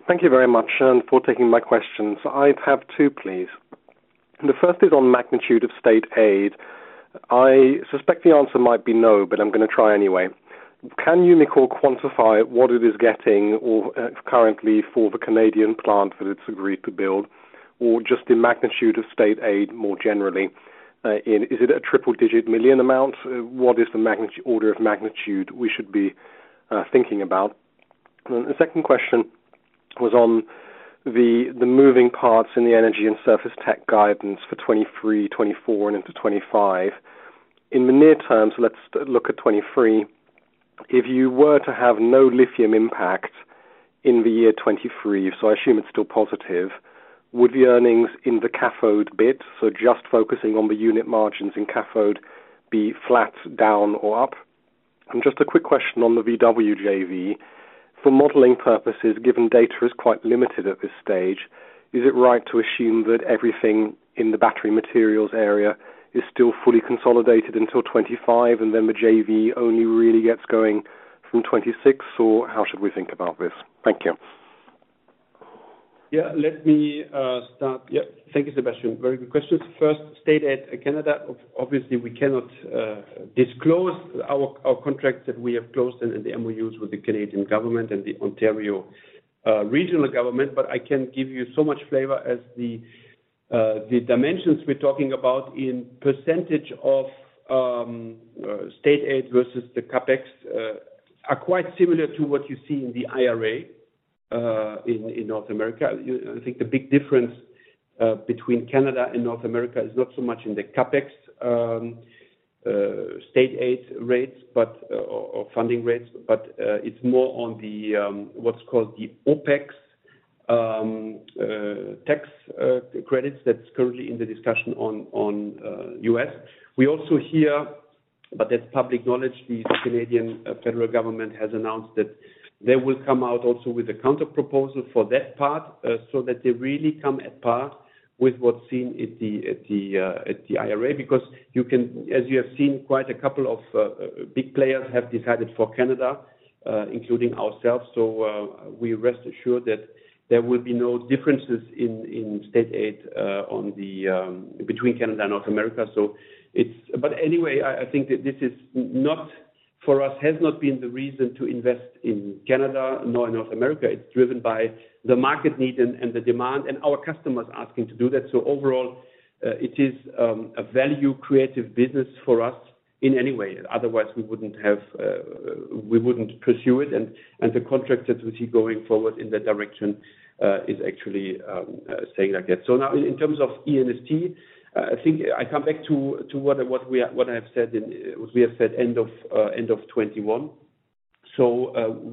Thank you very much for taking my questions. I have two, please. The first is on magnitude of state aid. I suspect the answer might be no, but I'm gonna try anyway. Can Umicore quantify what it is getting or currently for the Canadian plant that it's agreed to build, or just the magnitude of state aid more generally? Is it a triple digit million amount? What is the magnitude, order of magnitude we should be thinking about? The second question was on the moving parts in the Energy and Surface Tech guidance for 2023, 2024 and into 2025. In the near term, so let's look at 2023. If you were to have no lithium impact in the year 2023, so I assume it's still positive, would the earnings in the cathode bit, so just focusing on the unit margins in cathode, be flat, down or up? Just a quick question on the VW JV. For modeling purposes, given data is quite limited at this stage, is it right to assume that everything in the battery materials area is still fully consolidated until 25 and then the JV only really gets going from 26? How should we think about this? Thank you. Let me start. Thank you, Sebastian. Very good questions. First, state aid Canada. Obviously, we cannot disclose our contracts that we have closed and the MOUs with the Canadian government and the Ontario regional government. I can give you so much flavor as the dimensions we're talking about in percentage of state aid versus the CapEx are quite similar to what you see in the IRA in North America. I think the big difference between Canada and North America is not so much in the CapEx state aid rates, or funding rates, but it's more on what's called the OpEx tax credits that's currently in the discussion on U.S. We also hear, but that's public knowledge. The Canadian federal government has announced that they will come out also with a counterproposal for that part, so that they really come at par with what's seen at the IRA. As you have seen, quite a couple of big players have decided for Canada, including ourselves. We rest assured that there will be no differences in state aid between Canada and North America. Anyway, I think that this is not, for us, has not been the reason to invest in Canada, nor in North America. It's driven by the market need and the demand and our customers asking to do that. Overall, it is a value creative business for us in any way. Otherwise we wouldn't have, we wouldn't pursue it. The contracts that we see going forward in that direction is actually saying that yet. In terms of E&ST, I think I come back to what we have said end of 2021.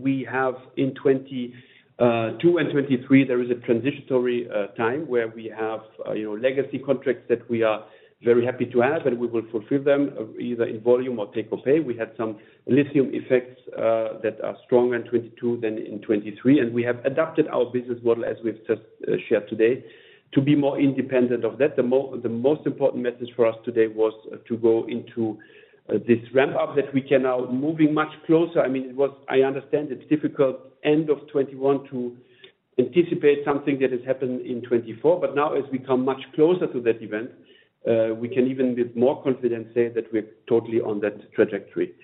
We have in 2022 and 2023, there is a transitory time where we have, you know, legacy contracts that we are very happy to have, and we will fulfill them either in volume or take-or-pay. We have some lithium effects that are strong in 2022 than in 2023, and we have adapted our business model, as we've just shared today, to be more independent of that. The most important message for us today was to go into this ramp up that we can now moving much closer. I mean, it was, I understand it's difficult end of 2021 to anticipate something that has happened in 2024, but now as we come much closer to that event, we can even with more confidence say that we're totally on that trajectory.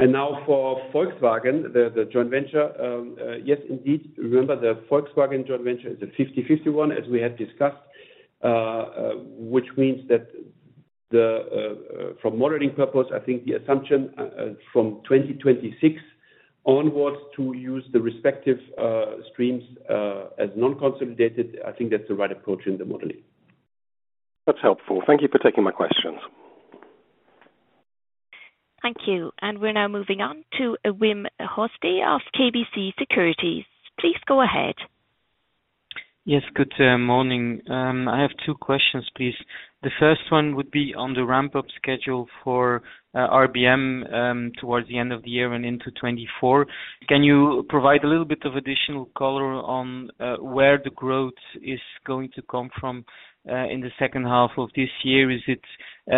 Now for Volkswagen, the joint venture. Yes, indeed. Remember the Volkswagen joint venture is a 50/50 one, as we have discussed, which means that from modeling purpose, I think the assumption from 2026 onwards to use the respective streams as non-consolidated, I think that's the right approach in the modeling. That's helpful. Thank you for taking my questions. Thank you. We're now moving on to Wim Hoste of KBC Securities. Please go ahead. Yes. Good morning. I have two questions, please. The first one would be on the ramp up schedule for RBM towards the end of the year and into 2024. Can you provide a little bit of additional color on where the growth is going to come from in the second half of this year? Is it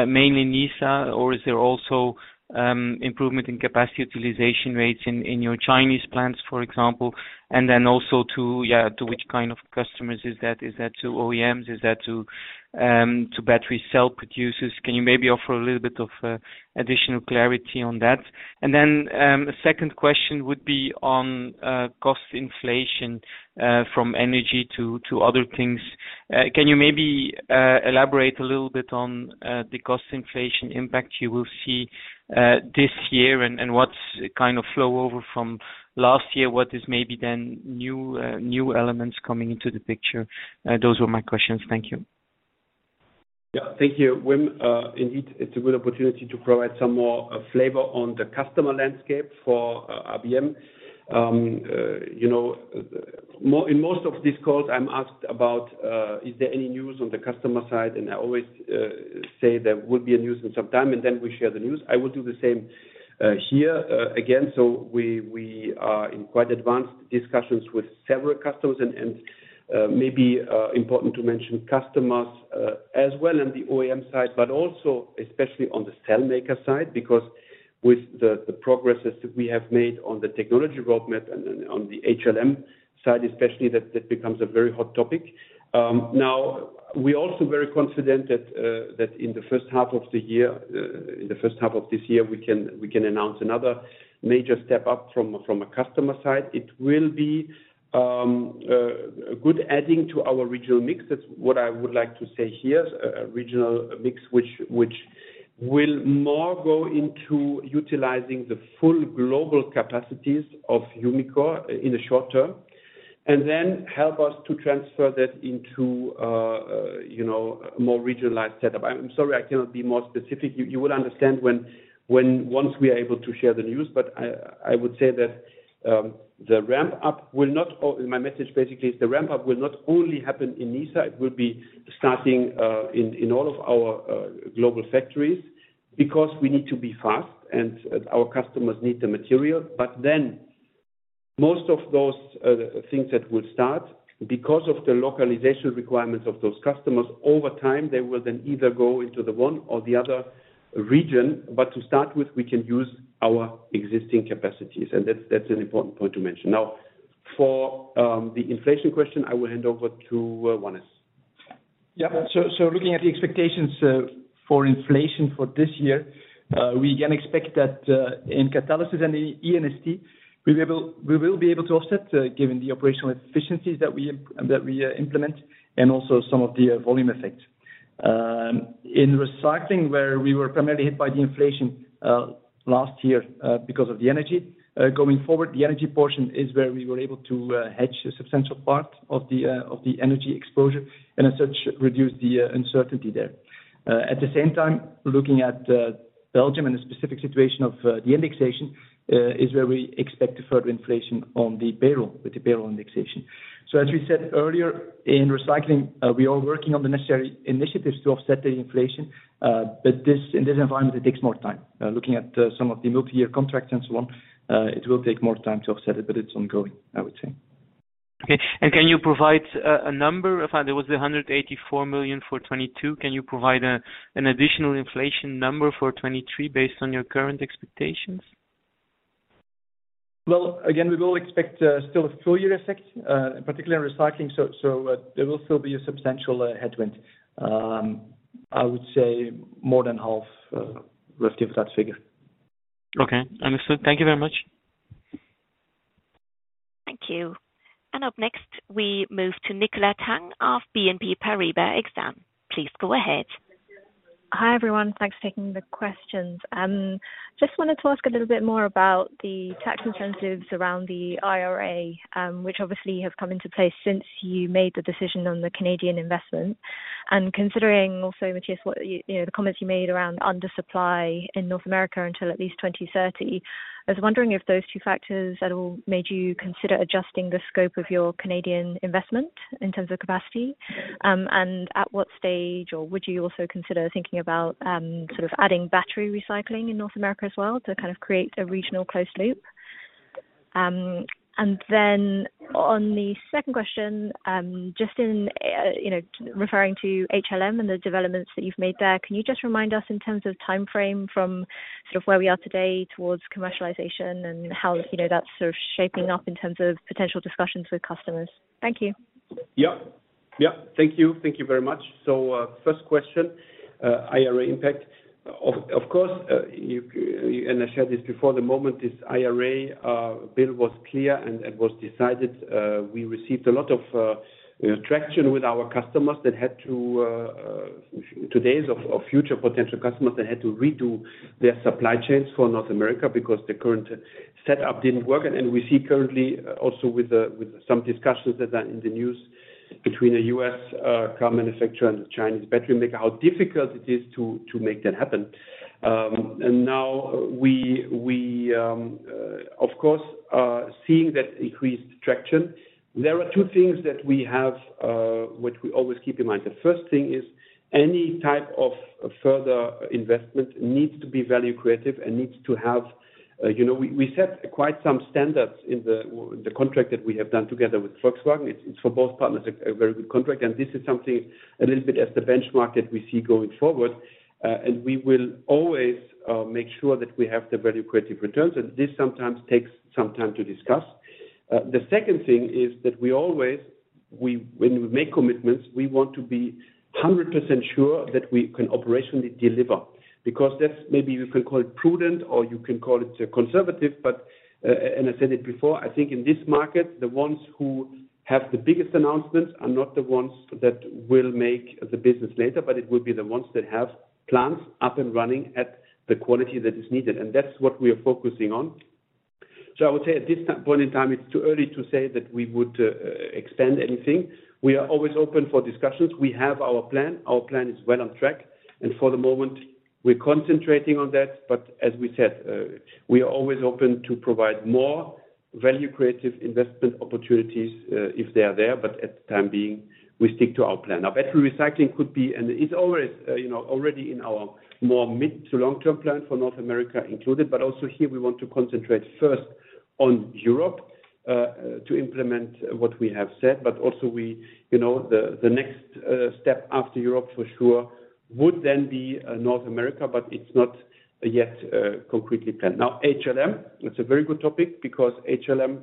mainly Nysa or is there also improvement in capacity utilization rates in your Chinese plants, for example? Also to which kind of customers is that? Is that to OEMs? Is that to battery cell producers? Can you maybe offer a little bit of additional clarity on that? A second question would be on cost inflation from energy to other things. Can you maybe elaborate a little bit on the cost inflation impact you will see this year and what's kind of flow over from last year? What is maybe then new elements coming into the picture? Those were my questions. Thank you. Thank you, Wim. Indeed, it's a good opportunity to provide some more flavor on the customer landscape for RBM. you know, in most of these calls I'm asked about, is there any news on the customer side? I always say there will be a news in some time, and then we share the news. I will do the same here again. We are in quite advanced discussions with several customers and, maybe important to mention customers as well on the OEM side, but also especially on the cell maker side, because with the progresses that we have made on the technology roadmap and on the HLM side especially, that becomes a very hot topic. Now we're also very confident that in the first half of the year, in the first half of this year, we can announce another major step up from a customer side. It will be a good adding to our regional mix. That's what I would like to say here. A regional mix which will more go into utilizing the full global capacities of Umicore in the short term and then help us to transfer that into, you know, a more regionalized setup. I'm sorry, I cannot be more specific. You will understand when once we are able to share the news. I would say that the ramp up will not... My message basically is the ramp up will not only happen in Nysa, it will be starting in all of our global factories because we need to be fast and our customers need the material. Most of those things that will start because of the localization requirements of those customers, over time, they will then either go into the one or the other region. To start with, we can use our existing capacities, and that's an important point to mention. For the inflation question, I will hand over to Wannes. Looking at the expectations for inflation for this year, we can expect that in Catalysis and E&ST, we will be able to offset, given the operational efficiencies that we implement and also some of the volume effects. In Recycling, where we were primarily hit by the inflation last year, because of the energy. Going forward, the energy portion is where we were able to hedge a substantial part of the energy exposure and as such, reduce the uncertainty there. At the same time, looking at Belgium and the specific situation of the indexation, is where we expect a further inflation on the payroll, with the payroll indexation. As we said earlier in Recycling, we are working on the necessary initiatives to offset the inflation, but in this environment, it takes more time. Looking at some of the multi-year contracts and so on, it will take more time to offset it, but it's ongoing, I would say. Okay. Can you provide a number? There was 184 million for 2022. Can you provide an additional inflation number for 2023 based on your current expectations? Again, we will expect still a full-year effect, particularly in recycling. There will still be a substantial headwind. I would say more than half, roughly of that figure. Okay, understood. Thank you very much. Thank you. Up next, we move to Nicola Tang of BNP Paribas Exane. Please go ahead. Hi, everyone. Thanks for taking the questions. Just wanted to ask a little bit more about the tax incentives around the IRA, which obviously have come into place since you made the decision on the Canadian investment. Considering also, Mathias, you know, the comments you made around undersupply in North America until at least 2030. I was wondering if those two factors at all made you consider adjusting the scope of your Canadian investment in terms of capacity, and at what stage? Or would you also consider thinking about, sort of adding battery recycling in North America as well to kind of create a regional closed loop? On the second question, just in, you know, referring to HLM and the developments that you've made there. Can you just remind us in terms of timeframe from sort of where we are today towards commercialization and how, you know, that's sort of shaping up in terms of potential discussions with customers? Thank you. Yeah. Thank you. Thank you very much. First question, IRA impact. Of course, and I shared this before, the moment this IRA bill was clear and was decided, we received a lot of traction with our customers that had to, today is of future potential customers that had to redo their supply chains for North America because the current set-up didn't work. We see currently also with some discussions that are in the news between the US car manufacturer and the Chinese battery maker, how difficult it is to make that happen. Now we, of course, are seeing that increased traction. There are two things that we have, which we always keep in mind. The first thing is any type of further investment needs to be value creative and needs to have, you know. We set quite some standards in the contract that we have done together with Volkswagen. It's for both partners, a very good contract, and this is something a little bit as the benchmark that we see going forward. We will always make sure that we have the value creative returns, and this sometimes takes some time to discuss. The second thing is that we always when we make commitments, we want to be 100% sure that we can operationally deliver, because that's maybe you can call it prudent or you can call it conservative, but I said it before, I think in this market, the ones who have the biggest announcements are not the ones that will make the business later, but it will be the ones that have plants up and running at the quality that is needed. That's what we are focusing on. I would say at this point in time, it's too early to say that we would expand anything. We are always open for discussions. We have our plan. Our plan is well on track, and for the moment we're concentrating on that. As we said, we are always open to provide more value creative investment opportunities, if they are there. At the time being, we stick to our plan. Battery recycling could be, and it's always, you know, already in our more mid to long-term plan for North America included. Also here we want to concentrate first on Europe to implement what we have said. Also we, you know, the next step after Europe for sure would then be North America, but it's not yet concretely planned. HLM, it's a very good topic because HLM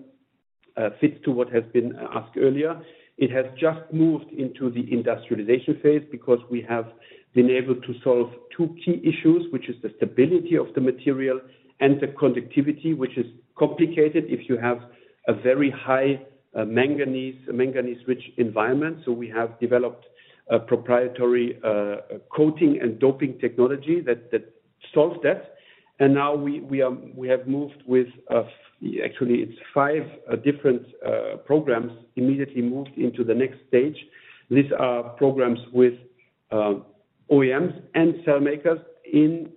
fits to what has been asked earlier. It has just moved into the industrialization phase because we have been able to solve two key issues, which is the stability of the material and the conductivity, which is complicated if you have a very high manganese-rich environment. We have developed a proprietary coating and doping technology that solves that. Now we have moved with actually it's 5 different programs immediately moved into the next stage. These are programs with OEMs and cell makers in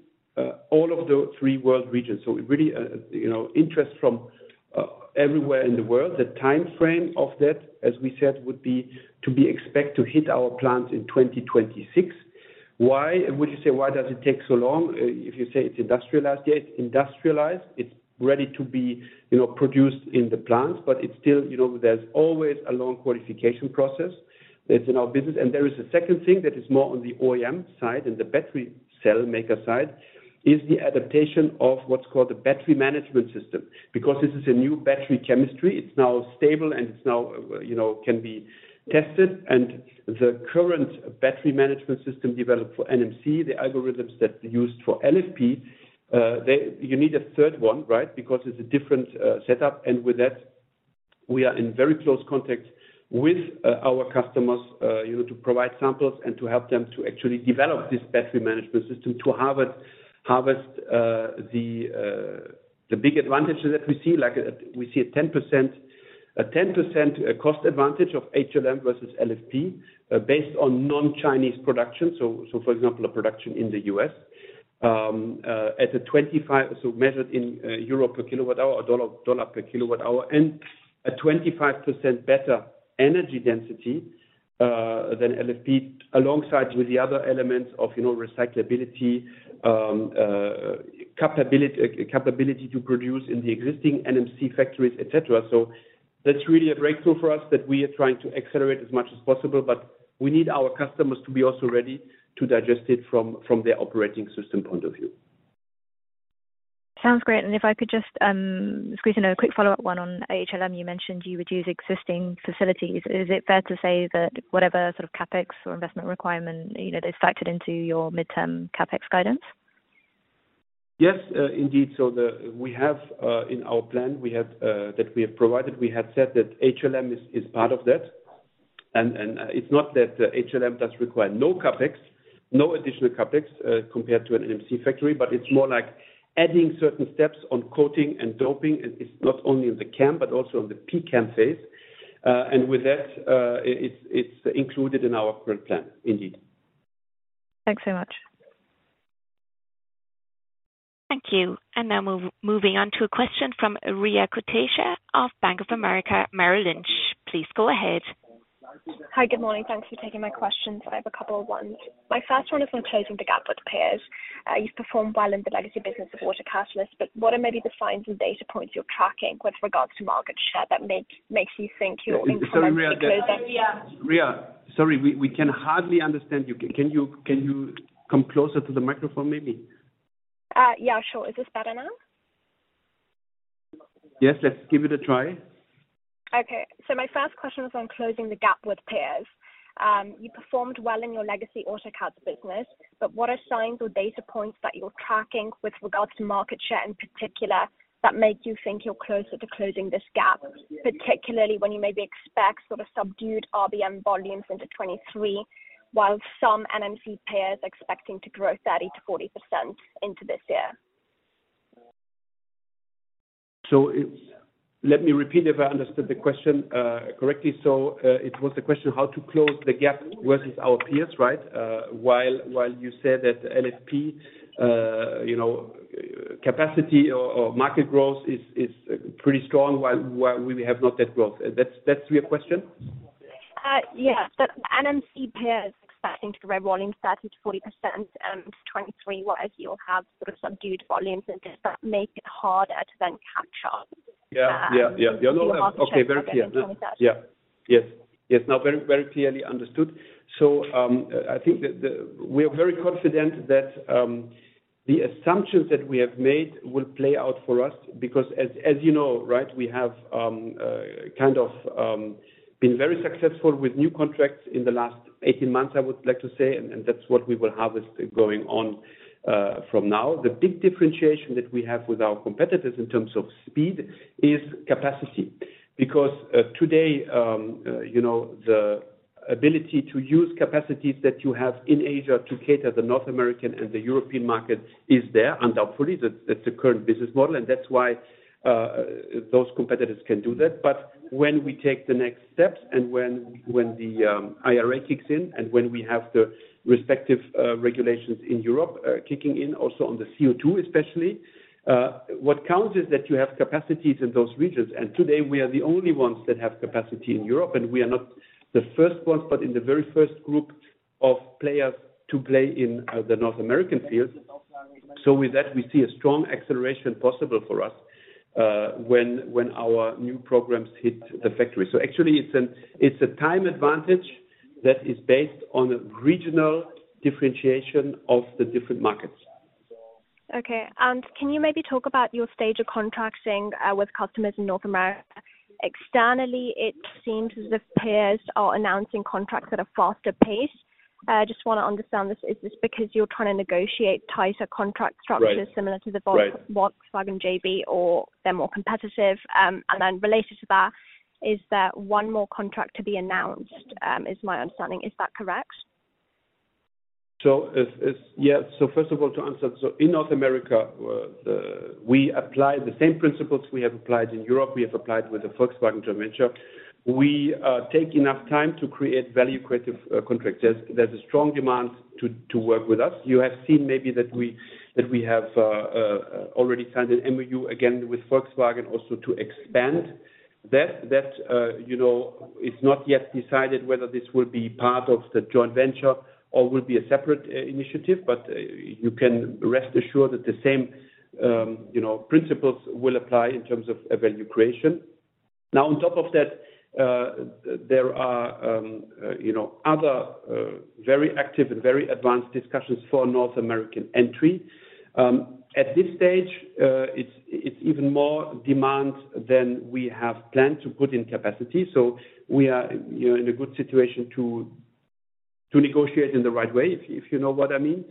all of the 3 world regions. Really, you know, interest from everywhere in the world. The timeframe of that, as we said, would be to be expect to hit our plants in 2026? Why does it take so long? If you say it's industrialized, yeah, it's industrialized, it's ready to be, you know, produced in the plants. It's still, you know, there's always a long qualification process. It's in our business. There is a second thing that is more on the OEM side and the battery cell maker side, is the adaptation of what's called a battery management system. Because this is a new battery chemistry, it's now stable and it's now, you know, can be tested. The current battery management system developed for NMC, the algorithms that are used for LFP, you need a third one, right? Because it's a different setup. With that, we are in very close contact with our customers, you know, to provide samples and to help them to actually develop this battery management system to harvest the big advantages that we see. Like, we see a 10% cost advantage of HLM versus LFP based on non-Chinese production. So, for example, a production in the U.S. At a 25. so measured in euro per kilowatt hour or dollar per kilowatt hour. A 25% better energy density than LFP, alongside with the other elements of, you know, recyclability, capability to produce in the existing NMC factories, et cetera. That's really a breakthrough for us that we are trying to accelerate as much as possible. We need our customers to be also ready to digest it from their operating system point of view. Sounds great. If I could just squeeze in a quick follow-up one on HLM. You mentioned you would use existing facilities. Is it fair to say that whatever sort of CapEx or investment requirement, you know, is factored into your midterm CapEx guidance? Yes, indeed. We have in our plan, we have that we have provided, we had said that HLM is part of that. It's not that HLM does require no CapEx, no additional CapEx compared to an NMC factory, but it's more like adding certain steps on coating and doping. It's not only in the CAM, but also on the PCAM phase. With that, it's included in our current plan, indeed. Thanks so much. Thank you. Now we're moving on to a question from Riya Kotecha of Bank of America Merrill Lynch. Please go ahead. Hi. Good morning. Thanks for taking my questions. I have a couple of ones. My first one is on closing the gap with peers. You've performed well in the legacy business of autocatalysts, but what are maybe the signs and data points you're tracking with regards to market share that makes you think you're increasingly closing. Sorry, Riya. Riya, sorry, we can hardly understand you. Can you come closer to the microphone, maybe? Yeah, sure. Is this better now? Yes, let's give it a try. My first question was on closing the gap with peers. You performed well in your legacy Autocats business, but what are signs or data points that you're tracking with regards to market share in particular, that make you think you're closer to closing this gap, particularly when you maybe expect sort of subdued RBM volumes into 2023, while some NMC peers are expecting to grow 30%-40% into this year? Let me repeat if I understood the question, correctly. It was the question how to close the gap versus our peers, right? While you said that LFP, you know, capacity or market growth is pretty strong, while we have not that growth. That's your question? Yeah. That NMC peers expecting to grow volumes 30%-40% into 2023, whereas you'll have sort of subdued volumes. Does that make it harder to then capture- Yeah. Yeah, yeah. The market share Okay. Very clear. Yeah. Yes. Very, clearly understood. I think that we are very confident that the assumptions that we have made will play out for us, because as you know, right, we have kind of been very successful with new contracts in the last eighteen months, I would like to say, and that's what we will have going on from now. The big differentiation that we have with our competitors in terms of speed is capacity. Today, you know, the ability to use capacities that you have in Asia to cater the North American and the European market is there, undoubtedly. That's the current business model, and that's why those competitors can do that. When we take the next steps and when the IRA kicks in, and when we have the respective regulations in Europe, kicking in also on the CO2 especially, what counts is that you have capacities in those regions. Today we are the only ones that have capacity in Europe, and we are not the first ones, but in the very first group of players to play in the North American field. With that, we see a strong acceleration possible for us, when our new programs hit the factory. Actually it's a time advantage that is based on regional differentiation of the different markets. Okay. Can you maybe talk about your stage of contracting, with customers in North America? Externally, it seems as if peers are announcing contracts at a faster pace. Just wanna understand this. Is this because you're trying to negotiate tighter contract structures? Right. similar to the Volkswagen JV or they're more competitive? Related to that, is there one more contract to be announced? Is my understanding. Is that correct? Yeah, so first of all, to answer. In North America, we apply the same principles we have applied in Europe, we have applied with the Volkswagen joint venture. We take enough time to create value creative contracts. There's a strong demand to work with us. You have seen maybe that we have already signed an MOU again with Volkswagen also to expand that. That, you know, it's not yet decided whether this will be part of the joint venture or will be a separate initiative. You can rest assured that the same, you know, principles will apply in terms of value creation. Now, on top of that, there are, you know, other very active and very advanced discussions for North American entry. At this stage, it's even more demand than we have planned to put in capacity. We are, you know, in a good situation to negotiate in the right way, if you know what I mean.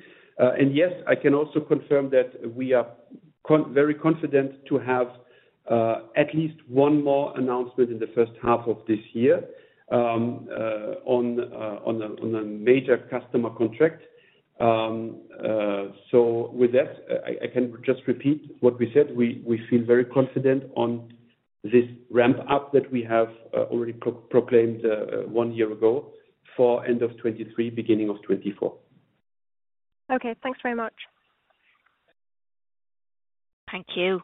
Yes, I can also confirm that we are very confident to have at least one more announcement in the first half of this year on a major customer contract. With that, I can just repeat what we said. We feel very confident on this ramp up that we have already proclaimed one year ago for end of 2023, beginning of 2024. Okay, thanks very much. Thank you.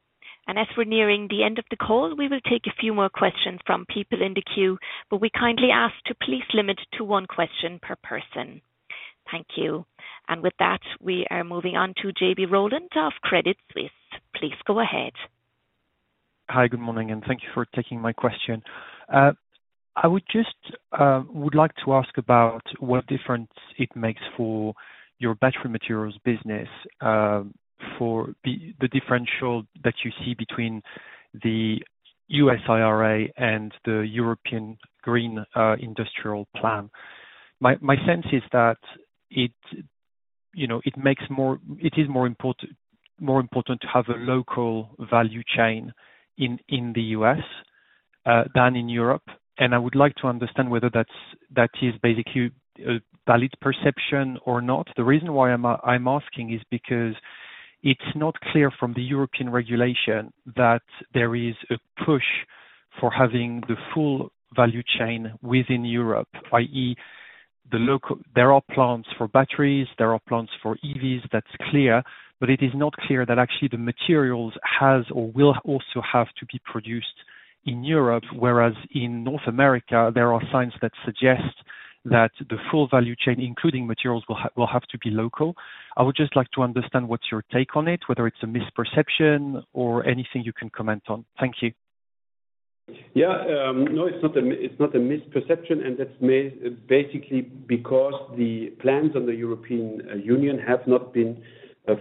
As we're nearing the end of the call, we will take a few more questions from people in the queue, but we kindly ask to please limit to one question per person. Thank you. With that, we are moving on to Jean-Baptiste Rolland of Credit Suisse. Please go ahead. Hi, good morning, and thank you for taking my question. I would just would like to ask about what difference it makes for your battery materials business, for the differential that you see between the US IRA and the European Green Industrial Plan. My sense is that it, you know, it makes more. It is more important to have a local value chain in the US than in Europe. I would like to understand whether that is basically a valid perception or not. The reason why I'm asking is because it's not clear from the European regulation that there is a push for having the full value chain within Europe, i.e., the local. There are plants for batteries, there are plants for EVs, that's clear. It is not clear that actually the materials have or will also have to be produced in Europe. Whereas in North America, there are signs that suggest that the full value chain, including materials, will have to be local. I would just like to understand what's your take on it, whether it's a misperception or anything you can comment on. Thank you. Yeah. No, it's not a misperception. That's basically because the plans on the European Union have not been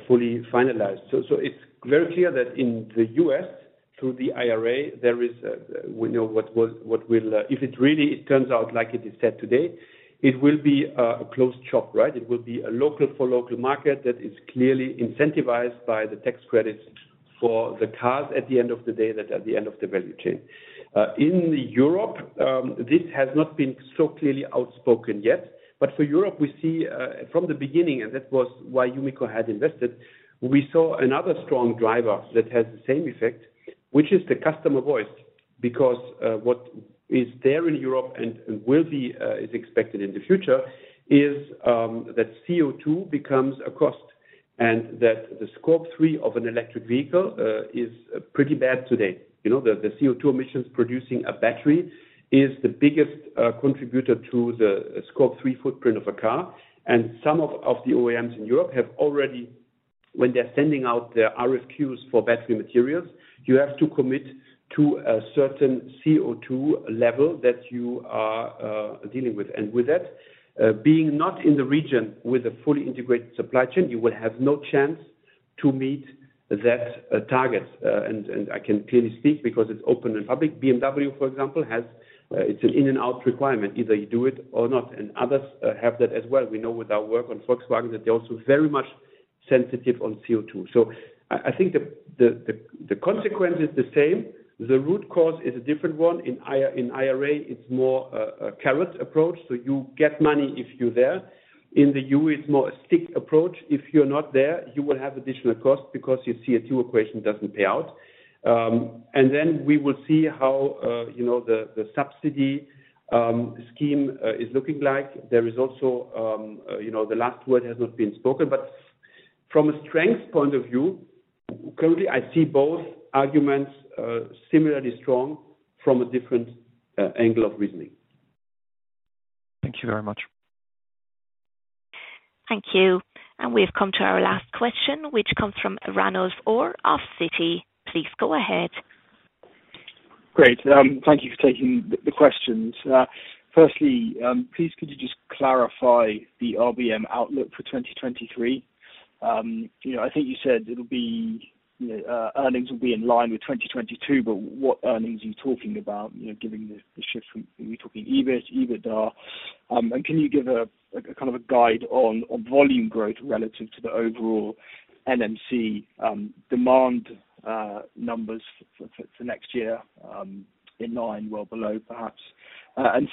fully finalized. It's very clear that in the U.S., through the IRA, there is, we know what will, what will... If it really, it turns out like it is said today, it will be a closed shop, right? It will be a local for local market that is clearly incentivized by the tax credits for the cars at the end of the day, that at the end of the value chain. In Europe, this has not been so clearly outspoken yet. For Europe, we see from the beginning, and that was why Umicore had invested. We saw another strong driver that has the same effect, which is the customer voice. What is there in Europe and will be is expected in the future is that CO2 becomes a cost, and that the Scope 3 of an electric vehicle is pretty bad today. You know, the CO2 emissions producing a battery is the biggest contributor to the Scope 3 footprint of a car. Some of the OEMs in Europe have already, when they're sending out their RFQs for battery materials, you have to commit to a certain CO2 level that you are dealing with. With that, being not in the region with a fully integrated supply chain, you will have no chance to meet that target. I can clearly speak because it's open and public. BMW, for example, has it's an in and out requirement. Either you do it or not, others have that as well. We know with our work on Volkswagen that they're also very much sensitive on CO2. I think the consequence is the same. The root cause is a different one. In IRA, it's more a carrot approach, so you get money if you're there. In the EU, it's more a stick approach. If you're not there, you will have additional cost because your CO2 equation doesn't pay out. Then we will see how, you know, the subsidy scheme is looking like. There is also, you know, the last word has not been spoken. From a strength point of view, currently, I see both arguments, similarly strong from a different angle of reasoning. Thank you very much. Thank you. We have come to our last question, which comes from Ranulf Orr of Citi. Please go ahead. Great. Thank you for taking the questions. Firstly, please could you just clarify the RBM outlook for 2023? You know, I think you said it'll be, you know, earnings will be in line with 2022, but what earnings are you talking about, you know, given the shift from... Are we talking EBIT, EBITDA? Can you give a kind of a guide on volume growth relative to the overall NMC demand numbers for next year, in line, well below perhaps?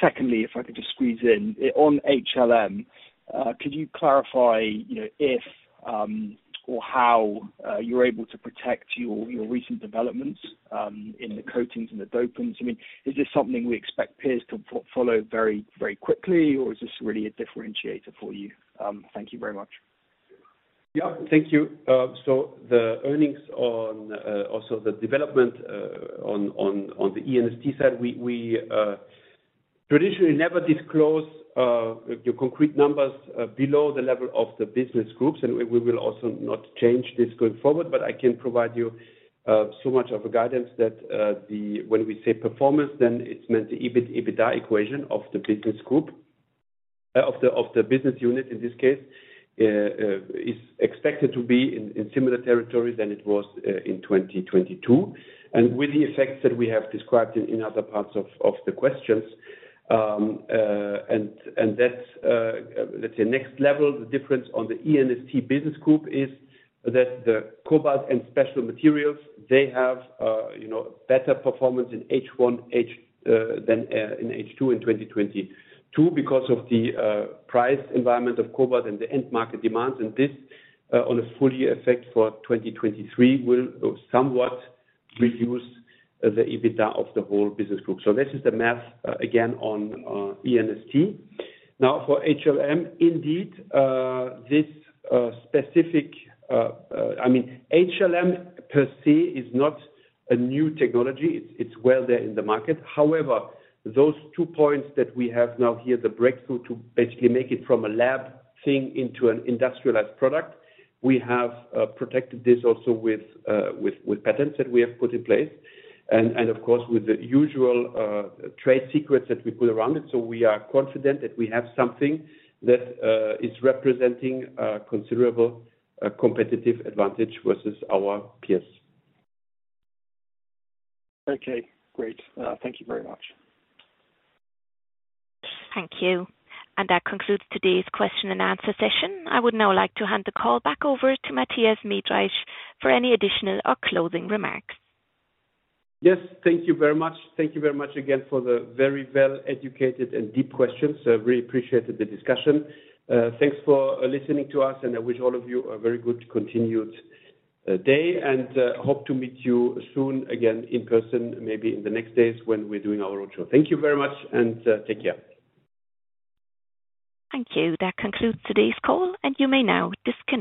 Secondly, if I could just squeeze in. On HLM, could you clarify, you know, if or how you're able to protect your recent developments in the coatings and the dopants? I mean, is this something we expect peers to follow very quickly, or is this really a differentiator for you? Thank you very much. Yeah, thank you. The earnings on also the development on the E&ST side, we traditionally never disclose the concrete numbers below the level of the business groups, and we will also not change this going forward. I can provide you so much of a guidance that when we say performance, then it's meant the EBIT-EBITDA equation of the business group. Of the business unit in this case, is expected to be in similar territory than it was in 2022. With the effects that we have described in other parts of the questions, let's say next level, the difference on the E&ST business group is that the Cobalt & Specialty Materials, they have, you know, better performance in H1 than in H2 in 2022 because of the price environment of cobalt and the end market demands. This, on a full-year effect for 2023 will somewhat reduce the EBITDA of the whole business group. This is the math again on E&ST. For HLM, indeed, this specific, I mean, HLM per se is not a new technology. It's, it's well there in the market. Those two points that we have now here, the breakthrough to basically make it from a lab thing into an industrialized product, we have protected this also with patents that we have put in place and of course with the usual trade secrets that we put around it. We are confident that we have something that is representing a considerable competitive advantage versus our peers. Okay, great. Thank you very much. Thank you. That concludes today's question and answer session. I would now like to hand the call back over to Mathias Miedreich for any additional or closing remarks. Thank you very much. Thank you very much again for the very well-educated and deep questions. I really appreciated the discussion. Thanks for listening to us, and I wish all of you a very good continued day and hope to meet you soon again in person, maybe in the next days when we're doing our roadshow. Thank you very much and take care. Thank you. That concludes today's call, and you may now disconnect.